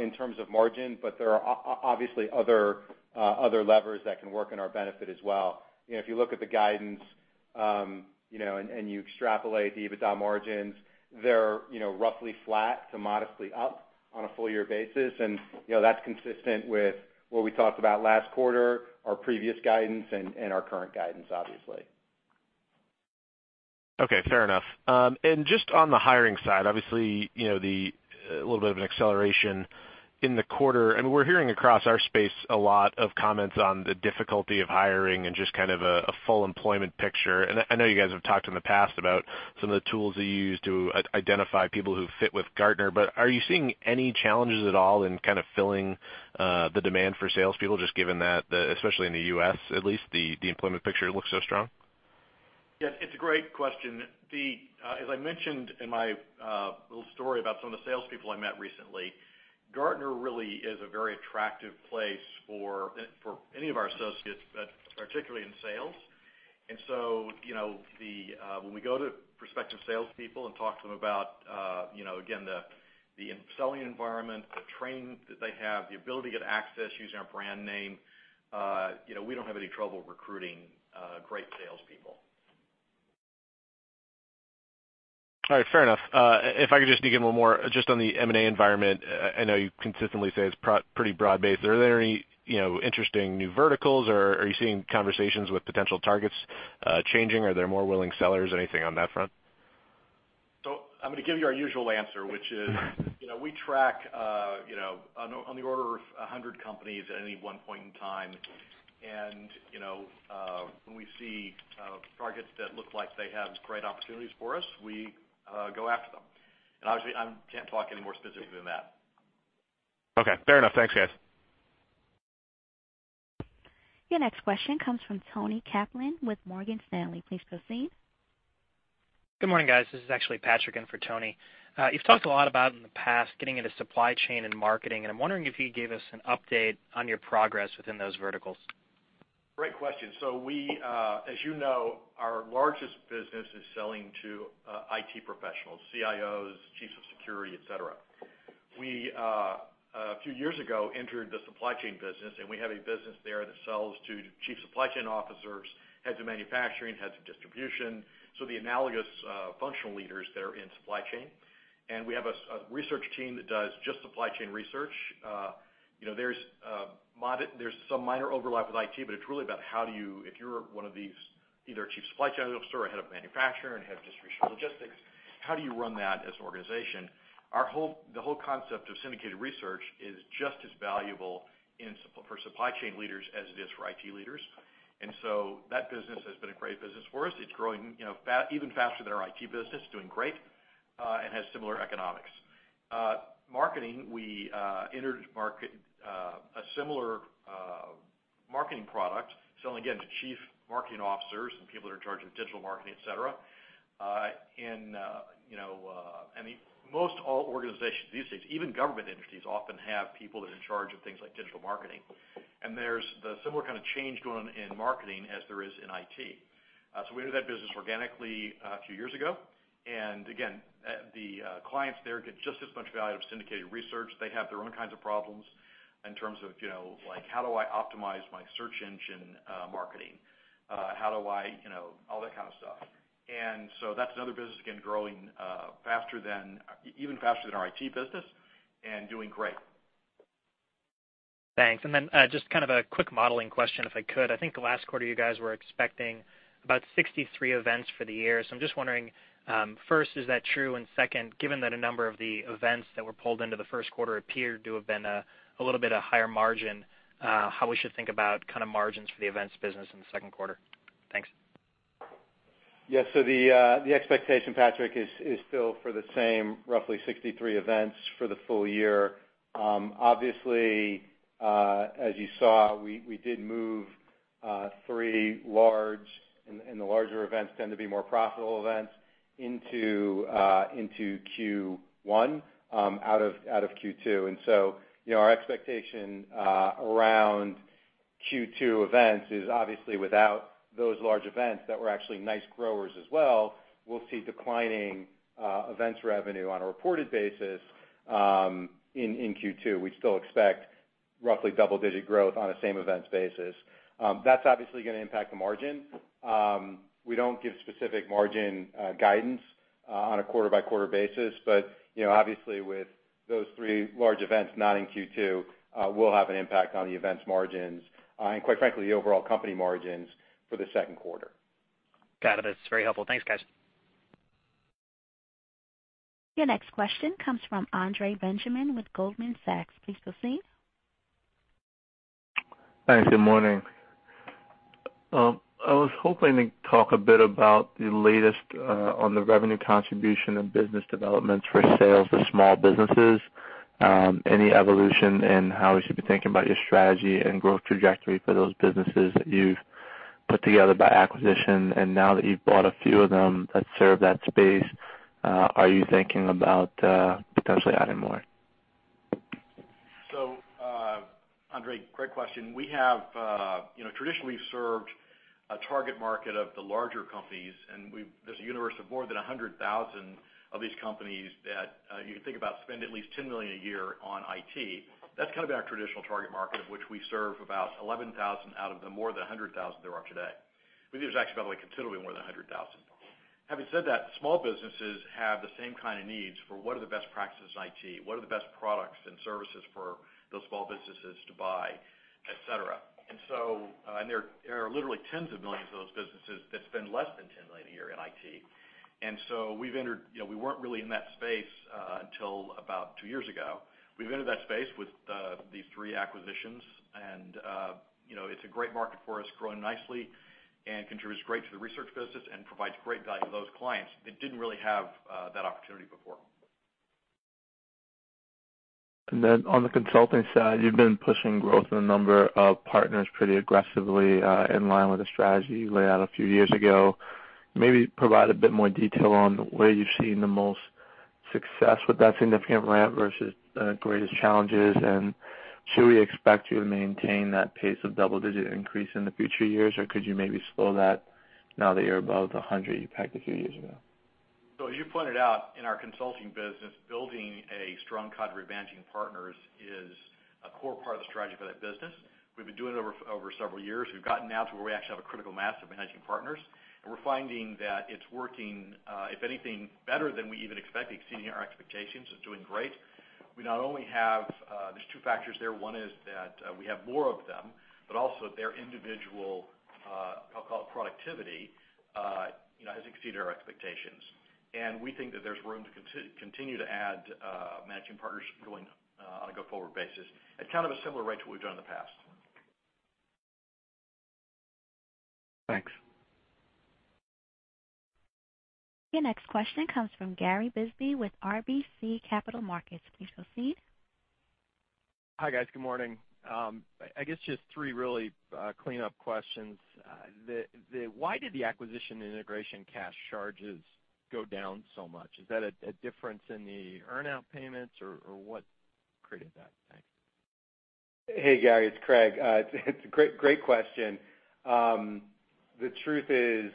in terms of margin, but there are obviously other levers that can work in our benefit as well. If you look at the guidance, and you extrapolate the EBITDA margins, they're roughly flat to modestly up on a full year basis, and that's consistent with what we talked about last quarter, our previous guidance and our current guidance, obviously. Okay, fair enough. Just on the hiring side, obviously, a little bit of an acceleration in the quarter. We're hearing across our space a lot of comments on the difficulty of hiring and just a full employment picture. I know you guys have talked in the past about some of the tools that you use to identify people who fit with Gartner, but are you seeing any challenges at all in filling the demand for salespeople, just given that, especially in the U.S. at least, the employment picture looks so strong? Yes, it's a great question. As I mentioned in my little story about some of the salespeople I met recently, Gartner really is a very attractive place for any of our associates, but particularly in sales. When we go to prospective salespeople and talk to them about, again, the selling environment, the training that they have, the ability to get access using our brand name, we don't have any trouble recruiting great salespeople. All right, fair enough. If I could just dig in one more, just on the M&A environment, I know you consistently say it's pretty broad-based. Are there any interesting new verticals, or are you seeing conversations with potential targets changing? Are there more willing sellers? Anything on that front? I'm going to give you our usual answer, which is, we track on the order of 100 companies at any one point in time. When we see targets that look like they have great opportunities for us, we go after them. Obviously, I can't talk any more specifically than that. Okay, fair enough. Thanks, guys. Your next question comes from Toni Kaplan with Morgan Stanley. Please proceed. Good morning, guys. This is actually Patrick in for Toni. You've talked a lot about in the past getting into supply chain and marketing. I'm wondering if you could give us an update on your progress within those verticals. Great question. As you know, our largest business is selling to IT professionals, CIOs, chiefs of security, et cetera. We, a few years ago, entered the supply chain business. We have a business there that sells to chief supply chain officers, heads of manufacturing, heads of distribution, the analogous functional leaders that are in supply chain. We have a research team that does just supply chain research. There's some minor overlap with IT, but it's really about if you're one of these, either a chief supply chain officer or head of manufacturing, head of distribution, logistics, how do you run that as an organization? The whole concept of syndicated research is just as valuable for supply chain leaders as it is for IT leaders. That business has been a great business for us. It's growing even faster than our IT business, doing great, and has similar economics. Marketing, we entered a similar marketing product, selling again to chief marketing officers and people that are in charge of digital marketing, et cetera. Most all organizations these days, even government entities, often have people that are in charge of things like digital marketing. There's the similar kind of change going on in marketing as there is in IT. We entered that business organically a few years ago. Again, the clients there get just as much value of syndicated research. They have their own kinds of problems in terms of like, how do I optimize my search engine marketing? All that kind of stuff. That's another business, again, growing even faster than our IT business and doing great. Thanks. Just a quick modeling question, if I could. I think last quarter you guys were expecting about 63 events for the year. I'm just wondering, first, is that true? Second, given that a number of the events that were pulled into the first quarter appeared to have been a little bit of higher margin, how we should think about margins for the events business in the second quarter? Thanks. Yeah. The expectation, Patrick, is still for the same, roughly 63 events for the full year. Obviously, as you saw, we did move three large, and the larger events tend to be more profitable events, into Q1 out of Q2. Our expectation around Q2 events is obviously without those large events that were actually nice growers as well, we'll see declining events revenue on a reported basis in Q2. We still expect roughly double-digit growth on a same event basis. That's obviously going to impact the margin. We don't give specific margin guidance on a quarter-by-quarter basis, but obviously with those three large events not in Q2 will have an impact on the events margins, and quite frankly, the overall company margins for the second quarter. Got it. That's very helpful. Thanks, guys. Your next question comes from Andre Benjamin with Goldman Sachs. Please proceed. Thanks. Good morning. I was hoping to talk a bit about the latest on the revenue contribution and business developments for sales for small businesses, any evolution in how we should be thinking about your strategy and growth trajectory for those businesses that you've put together by acquisition, and now that you've bought a few of them that serve that space, are you thinking about potentially adding more? Andre, great question. Traditionally, we've served a target market of the larger companies, there's a universe of more than 100,000 of these companies that you can think about spend at least $10 million a year on IT. That's kind of our traditional target market, of which we serve about 11,000 out of the more than 100,000 there are today. We think there's actually considerably more than 100,000. Having said that, small businesses have the same kind of needs for what are the best practices in IT, what are the best products and services for those small businesses to buy, et cetera. There are literally tens of millions of those businesses that spend less than $10 million a year in IT. We weren't really in that space, until about two years ago. We've entered that space with these three acquisitions, it's a great market for us, growing nicely, contributes great to the research business and provides great value to those clients that didn't really have that opportunity before. On the consulting side, you've been pushing growth in a number of partners pretty aggressively, in line with the strategy you laid out a few years ago. Maybe provide a bit more detail on where you've seen the most success with that significant ramp versus the greatest challenges, should we expect you to maintain that pace of double-digit increase in the future years, or could you maybe slow that now that you're above the 100 you pegged a few years ago? As you pointed out, in our consulting business, building a strong cadre of managing partners is a core part of the strategy for that business. We've been doing it over several years. We've gotten now to where we actually have a critical mass of managing partners, and we're finding that it's working, if anything, better than we even expected, exceeding our expectations. It's doing great. There's two factors there. One is that we have more of them, but also their individual, I'll call it productivity, has exceeded our expectations. We think that there's room to continue to add managing partners going on a go-forward basis at kind of a similar rate to what we've done in the past. Thanks. Your next question comes from Gary Bisbee with RBC Capital Markets. Please proceed. Hi, guys. Good morning. I guess just three really cleanup questions. Why did the acquisition integration cash charges go down so much? Is that a difference in the earn-out payments, or what created that? Thanks. Hey, Gary, it's Craig. It's a great question. The truth is,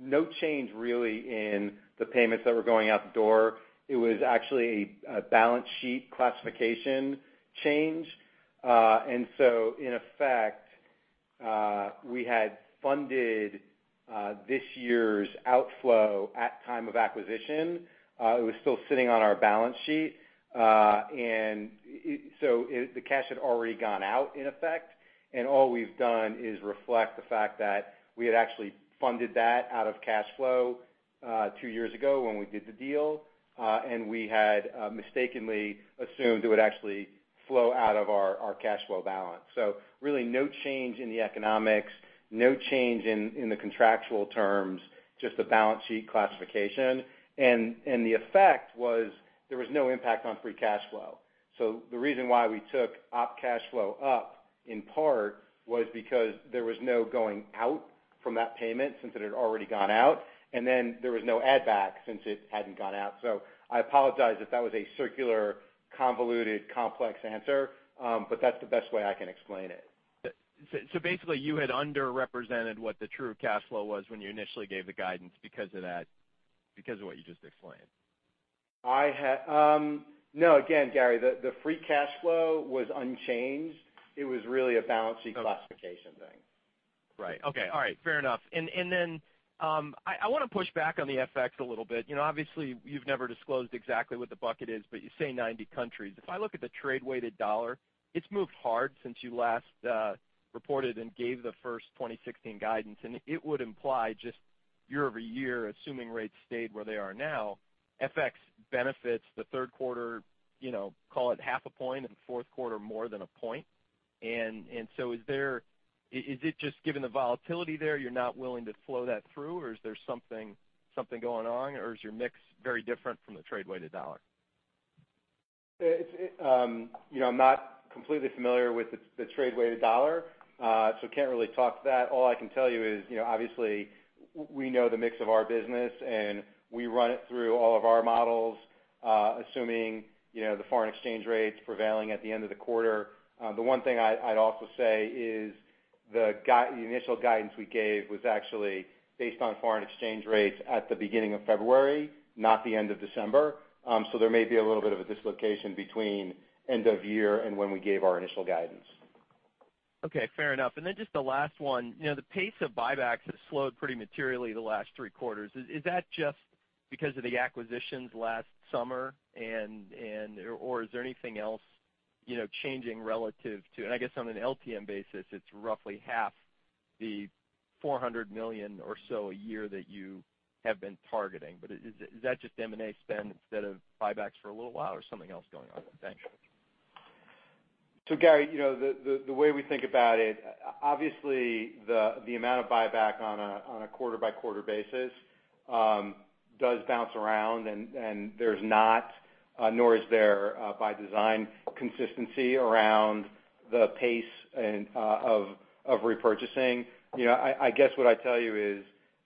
no change really in the payments that were going out the door. It was actually a balance sheet classification change. In effect, we had funded this year's outflow at time of acquisition. It was still sitting on our balance sheet. The cash had already gone out in effect, and all we've done is reflect the fact that we had actually funded that out of cash flow two years ago when we did the deal. We had mistakenly assumed it would actually flow out of our cash flow balance. Really no change in the economics, no change in the contractual terms, just a balance sheet classification. The effect was there was no impact on free cash flow. The reason why we took Op cash flow up in part was because there was no going out from that payment since it had already gone out, and then there was no add back since it hadn't gone out. I apologize if that was a circular, convoluted, complex answer, but that's the best way I can explain it. Basically, you had underrepresented what the true cash flow was when you initially gave the guidance because of what you just explained. No. Again, Gary, the free cash flow was unchanged. It was really a balance sheet classification thing. Right. Okay. All right. Fair enough. I want to push back on the FX a little bit. Obviously, you've never disclosed exactly what the bucket is, but you say 90 countries. If I look at the trade-weighted dollar, it's moved hard since you last reported and gave the first 2016 guidance, and it would imply just year-over-year, assuming rates stayed where they are now, FX benefits the third quarter, call it half a point, and fourth quarter more than a point. Is it just given the volatility there, you're not willing to flow that through, or is there something going on, or is your mix very different from the trade-weighted dollar? I'm not completely familiar with the trade-weighted dollar, can't really talk to that. All I can tell you is, obviously, we know the mix of our business, and we run it through all of our models, assuming the foreign exchange rates prevailing at the end of the quarter. The one thing I'd also say is The initial guidance we gave was actually based on foreign exchange rates at the beginning of February, not the end of December. There may be a little bit of a dislocation between end of year and when we gave our initial guidance. Okay, fair enough. Then just the last one. The pace of buybacks has slowed pretty materially the last three quarters. Is that just because of the acquisitions last summer, or is there anything else changing relative to-- I guess on an LTM basis, it's roughly half the $400 million or so a year that you have been targeting, but is that just M&A spend instead of buybacks for a little while or something else going on? Thanks. Gary, the way we think about it, obviously the amount of buyback on a quarter-by-quarter basis does bounce around and there's not, nor is there by design, consistency around the pace of repurchasing. I guess what I'd tell you is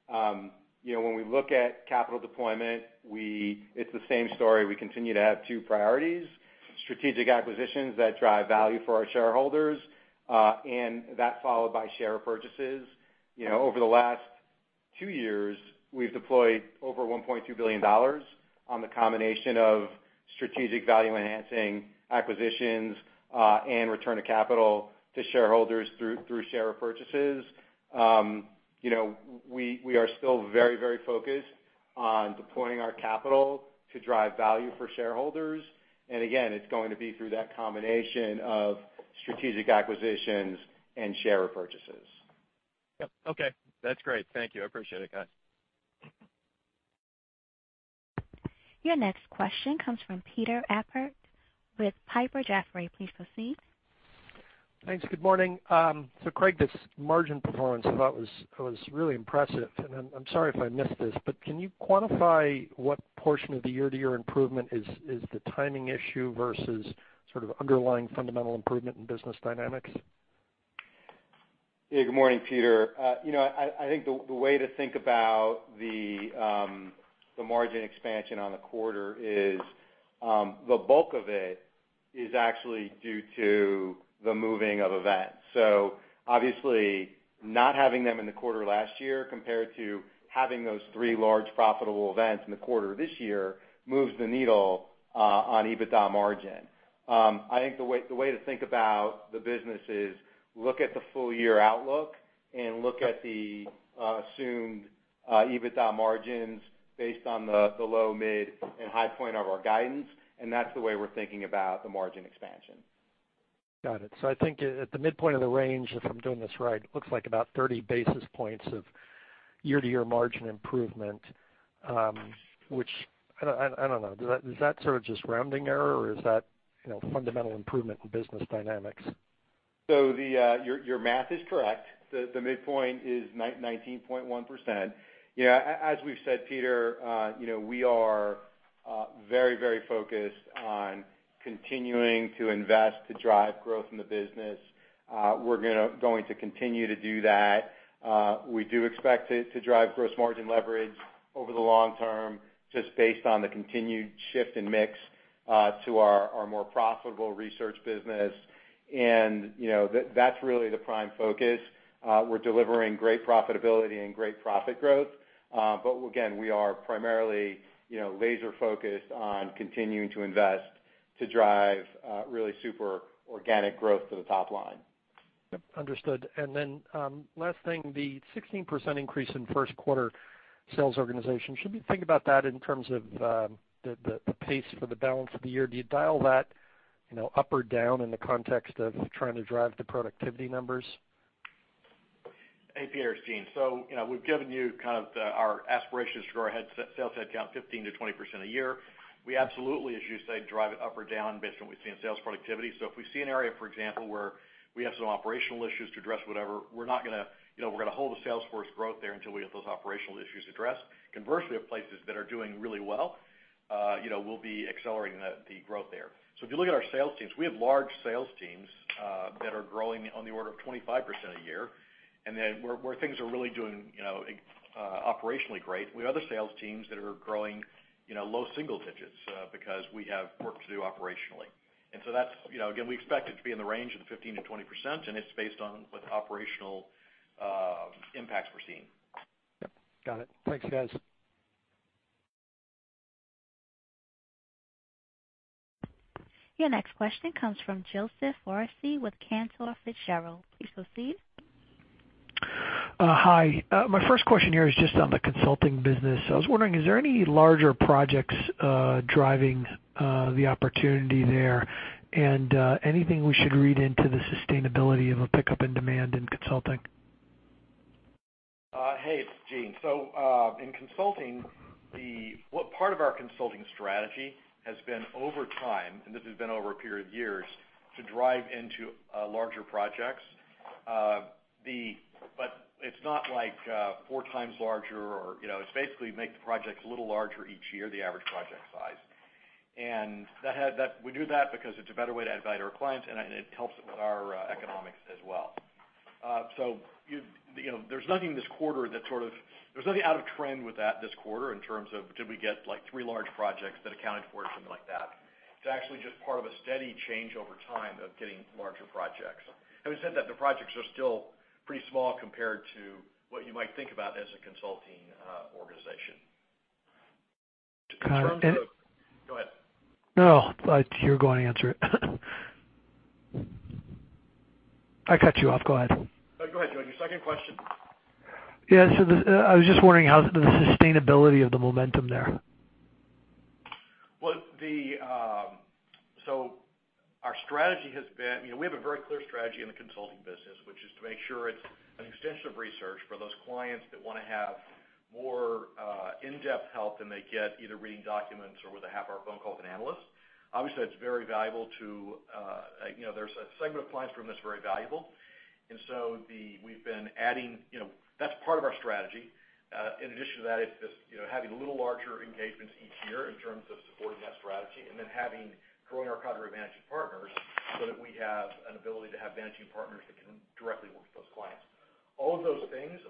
when we look at capital deployment, it's the same story. We continue to have two priorities, strategic acquisitions that drive value for our shareholders, and that followed by share purchases. Over the last two years, we've deployed over $1.2 billion on the combination of strategic value-enhancing acquisitions and return of capital to shareholders through share repurchases. We are still very focused on deploying our capital to drive value for shareholders. Again, it's going to be through that combination of strategic acquisitions and share repurchases. Yep. Okay. That's great. Thank you. I appreciate it, guys. Your next question comes from Peter Appert with Piper Jaffray. Please proceed. Thanks. Good morning. Craig, this margin performance I thought was really impressive, and I'm sorry if I missed this, but can you quantify what portion of the year-over-year improvement is the timing issue versus sort of underlying fundamental improvement in business dynamics? Yeah, good morning, Peter. I think the way to think about the margin expansion on the quarter is the bulk of it is actually due to the moving of events. Obviously not having them in the quarter last year compared to having those three large profitable events in the quarter this year moves the needle on EBITDA margin. I think the way to think about the business is look at the full year outlook and look at the assumed EBITDA margins based on the low, mid, and high point of our guidance, and that's the way we're thinking about the margin expansion. Got it. I think at the midpoint of the range, if I'm doing this right, it looks like about 30 basis points of year-to-year margin improvement, which I don't know, is that sort of just rounding error or is that fundamental improvement in business dynamics? Your math is correct. The midpoint is 19.1%. As we've said, Peter, we are very focused on continuing to invest to drive growth in the business. We're going to continue to do that. We do expect it to drive gross margin leverage over the long term just based on the continued shift in mix to our more profitable research business, and that's really the prime focus. We're delivering great profitability and great profit growth. Again, we are primarily laser focused on continuing to invest to drive really super organic growth to the top line. Yep. Understood. Then last thing, the 16% increase in first quarter sales organization. Should we think about that in terms of the pace for the balance of the year? Do you dial that up or down in the context of trying to drive the productivity numbers? Hey, Peter, it's Gene. We've given you kind of our aspirations to grow our sales headcount 15%-20% a year. We absolutely, as you say, drive it up or down based on what we see in sales productivity. If we see an area, for example, where we have some operational issues to address whatever, we're going to hold the sales force growth there until we get those operational issues addressed. Conversely, at places that are doing really well, we'll be accelerating the growth there. If you look at our sales teams, we have large sales teams that are growing on the order of 25% a year, and then where things are really doing operationally great, we have other sales teams that are growing low single digits because we have work to do operationally. Again, we expect it to be in the range of 15%-20%, and it's based on what operational impacts we're seeing. Yep. Got it. Thanks, guys. Your next question comes from Joseph Morrissey with Cantor Fitzgerald. Please proceed. Hi. My first question here is just on the consulting business. I was wondering, is there any larger projects driving the opportunity there and anything we should read into the sustainability of a pickup in demand in consulting? Hey, it's Gene. In consulting, part of our consulting strategy has been over time, and this has been over a period of years, to drive into larger projects. It's not like four times larger or it's basically make the projects a little larger each year, the average project size. We do that because it's a better way to add value to our clients and it helps with our economics as well. There's nothing out of trend with that this quarter in terms of did we get like three large projects that accounted for it, something like that. It's actually just part of a steady change over time of getting larger projects. Having said that, the projects are still pretty small compared to what you might think about as a consulting organization. Got it. Go ahead. No, you were going to answer it. I cut you off. Go ahead. No, go ahead, Joe. Your second question. Yeah. I was just wondering how the sustainability of the momentum there. We have a very clear strategy in the consulting business, which is to make sure it's an extension of research for those clients that want to have more in-depth help than they get either reading documents or with a half-hour phone call with an analyst. Obviously, there's a segment of clients for whom that's very valuable. We've been adding. That's part of our strategy. In addition to that, it's just having a little larger engagements each year in terms of supporting that strategy, growing our cadre of managing partners so that we have an ability to have managing partners that can directly work with those clients. All of those things,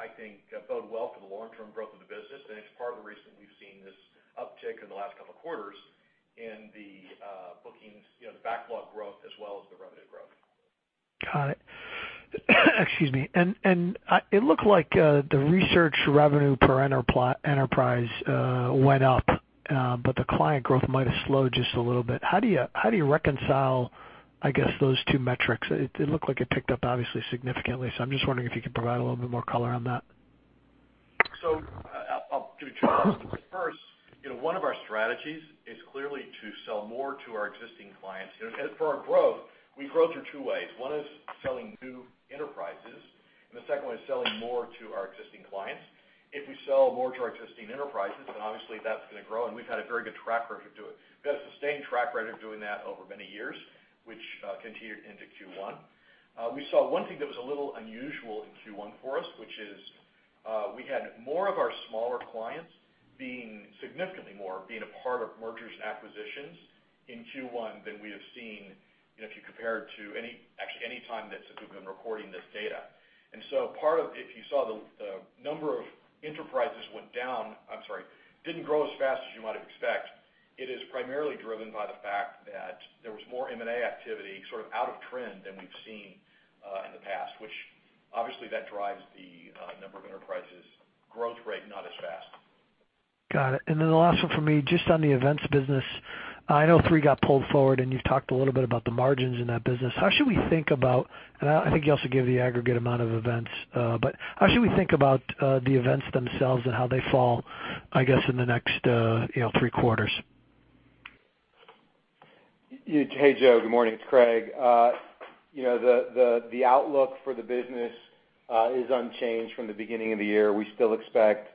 I think, bode well for the long-term growth of the business, and it's part of the reason we've seen this uptick in the last couple of quarters in the bookings, the backlog growth as well as the revenue growth. Got it. Excuse me. It looked like the research revenue per enterprise went up. The client growth might've slowed just a little bit. How do you reconcile, I guess, those two metrics? It looked like it picked up obviously significantly. I'm just wondering if you could provide a little bit more color on that. I'll give it a try. First, one of our strategies is clearly to sell more to our existing clients. For our growth, we grow through two ways. One is selling new enterprises, and the second one is selling more to our existing clients. If we sell more to our existing enterprises, then obviously that's going to grow, and we've had a very good track record to it. We had a sustained track record of doing that over many years, which continued into Q1. We saw one thing that was a little unusual in Q1 for us, which is we had more of our smaller clients, significantly more, being a part of mergers and acquisitions in Q1 than we have seen if you compare it to any time since we've been recording this data. If you saw the number of enterprises went down, I'm sorry, didn't grow as fast as you might have expect, it is primarily driven by the fact that there was more M&A activity sort of out of trend than we've seen in the past, which obviously that drives the number of enterprises growth rate not as fast. Got it. Then the last one for me, just on the events business. I know three got pulled forward, and you've talked a little bit about the margins in that business. I think you also gave the aggregate amount of events. How should we think about the events themselves and how they fall, I guess, in the next three quarters? Hey, Joe. Good morning. It's Craig. The outlook for the business is unchanged from the beginning of the year. We still expect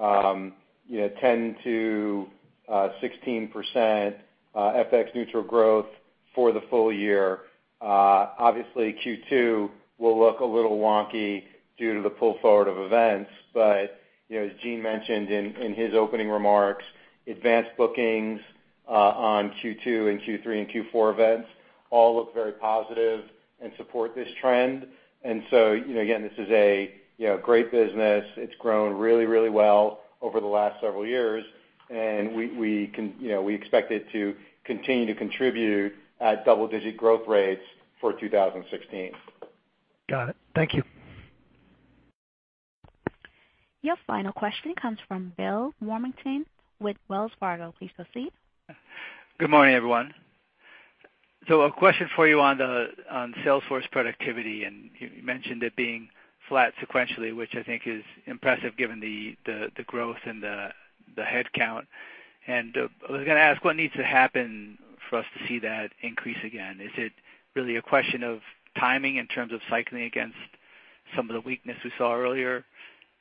10%-16% FX-neutral growth for the full year. Obviously, Q2 will look a little wonky due to the pull forward of events. As Gene mentioned in his opening remarks, advanced bookings on Q2 and Q3 and Q4 events all look very positive and support this trend. Again, this is a great business. It's grown really well over the last several years, and we expect it to continue to contribute at double-digit growth rates for 2016. Got it. Thank you. Your final question comes from Bill Warmington with Wells Fargo. Please proceed. Good morning, everyone. A question for you on the sales force productivity, and you mentioned it being flat sequentially, which I think is impressive given the growth and the headcount. I was going to ask what needs to happen for us to see that increase again. Is it really a question of timing in terms of cycling against some of the weakness we saw earlier?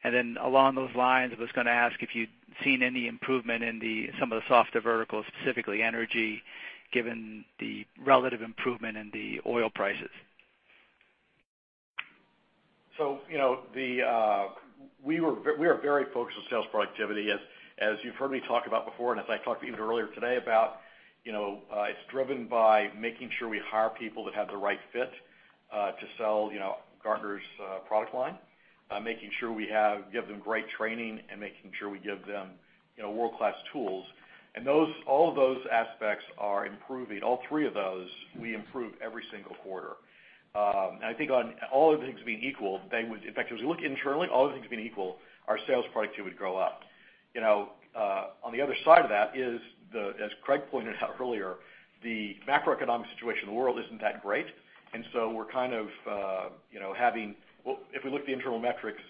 Along those lines, I was going to ask if you'd seen any improvement in some of the softer verticals, specifically energy, given the relative improvement in the oil prices. We are very focused on sales productivity. As you've heard me talk about before, as I talked even earlier today about, it's driven by making sure we hire people that have the right fit to sell Gartner's product line, making sure we give them great training, and making sure we give them world-class tools. All of those aspects are improving. All three of those, we improve every single quarter. In fact, as we look internally, all other things being equal, our sales productivity would go up. On the other side of that is, as Craig pointed out earlier, the macroeconomic situation in the world isn't that great. If we look at the internal metrics,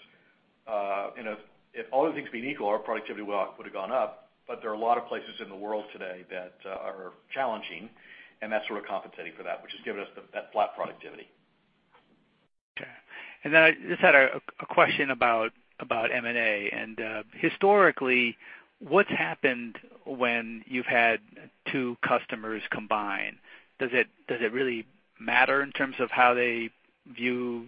if all other things being equal, our productivity would've gone up, there are a lot of places in the world today that are challenging, and that's sort of compensating for that, which has given us that flat productivity. Okay. I just had a question about M&A, historically, what's happened when you've had two customers combine? Does it really matter in terms of how they view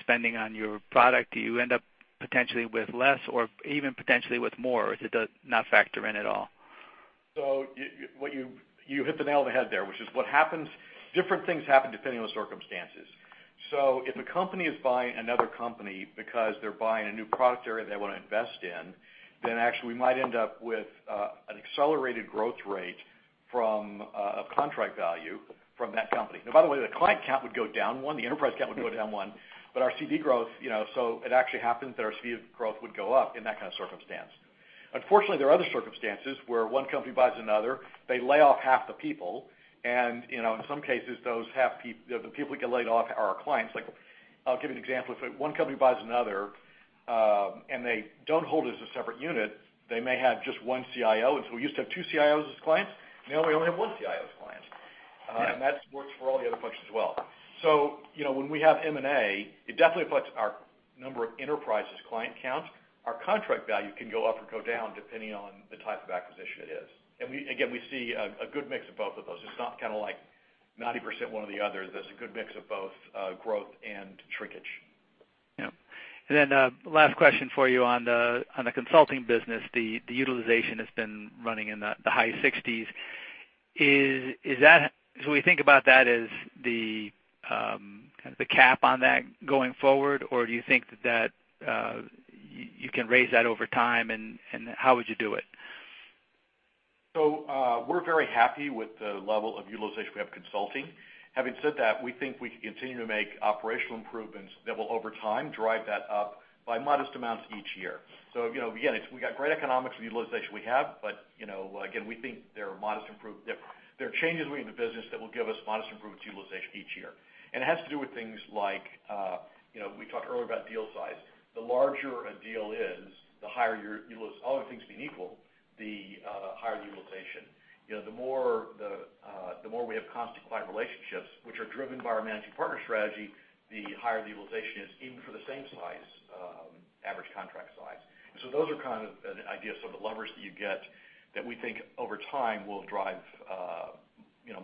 spending on your product? Do you end up potentially with less, or even potentially with more? Does it not factor in at all? You hit the nail on the head there, which is different things happen depending on the circumstances. If a company is buying another company because they are buying a new product area they want to invest in, then actually we might end up with an accelerated growth rate of contract value from that company. By the way, the client count would go down one, the enterprise count would go down one. Our CV growth, it actually happens that our CV growth would go up in that kind of circumstance. Unfortunately, there are other circumstances where one company buys another, they lay off half the people, and in some cases, the people who get laid off are our clients. I'll give you an example. If one company buys another, and they do not hold as a separate unit, they may have just one CIO. We used to have two CIOs as clients. We only have one CIO as a client. That works for all the other functions as well. When we have M&A, it definitely affects our number of enterprises client count. Our contract value can go up or go down depending on the type of acquisition it is. Again, we see a good mix of both of those. It is not like 90% one or the other. There is a good mix of both growth and shrinkage. Yep. Last question for you on the consulting business, the utilization that has been running in the high 60s. Should we think about that as the cap on that going forward, or do you think that you can raise that over time, and how would you do it? We are very happy with the level of utilization we have in consulting. Having said that, we think we can continue to make operational improvements that will, over time, drive that up by modest amounts each year. Again, we got great economics with the utilization we have, but again, we think there are changes we make in the business that will give us modest improvements in utilization each year. It has to do with things like, we talked earlier about deal size. The larger a deal is, all other things being equal, the higher the utilization. The more we have constant client relationships, which are driven by our managing partner strategy, the higher the utilization is, even for the same size average contract size. Those are kind of ideas of the levers that you get that we think over time will drive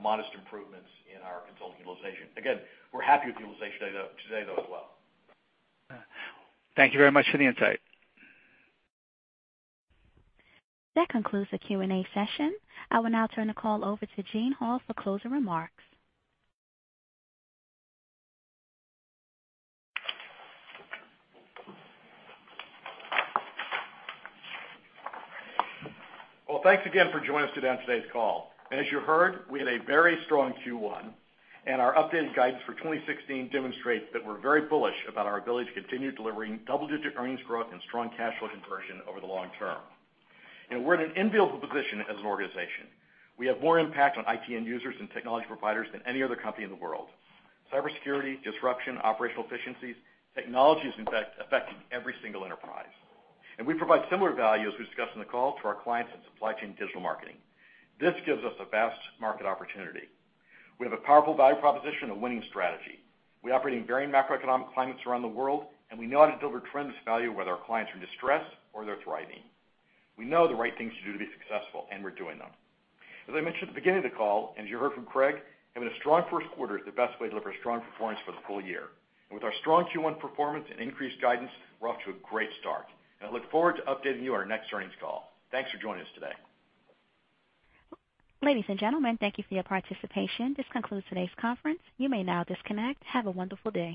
modest improvements in our consulting utilization. Again, we're happy with utilization today, though, as well. Thank you very much for the insight. That concludes the Q&A session. I will now turn the call over to Gene Hall for closing remarks. Well, thanks again for joining us today on today's call. As you heard, we had a very strong Q1, and our updated guidance for 2016 demonstrates that we're very bullish about our ability to continue delivering double-digit earnings growth and strong cash flow conversion over the long term. We're in an enviable position as an organization. We have more impact on IT end users and technology providers than any other company in the world. Cybersecurity, disruption, operational efficiencies, technology is affecting every single enterprise. We provide similar value as we discussed on the call to our clients in supply chain digital marketing. This gives us a vast market opportunity. We have a powerful value proposition, a winning strategy. We operate in varying macroeconomic climates around the world, and we know how to deliver tremendous value, whether our clients are in distress or they're thriving. We know the right things to do to be successful, and we're doing them. As I mentioned at the beginning of the call, and as you heard from Craig, having a strong first quarter is the best way to deliver a strong performance for the full year. With our strong Q1 performance and increased guidance, we're off to a great start, and I look forward to updating you on our next earnings call. Thanks for joining us today. Ladies and gentlemen, thank you for your participation. This concludes today's conference. You may now disconnect. Have a wonderful day.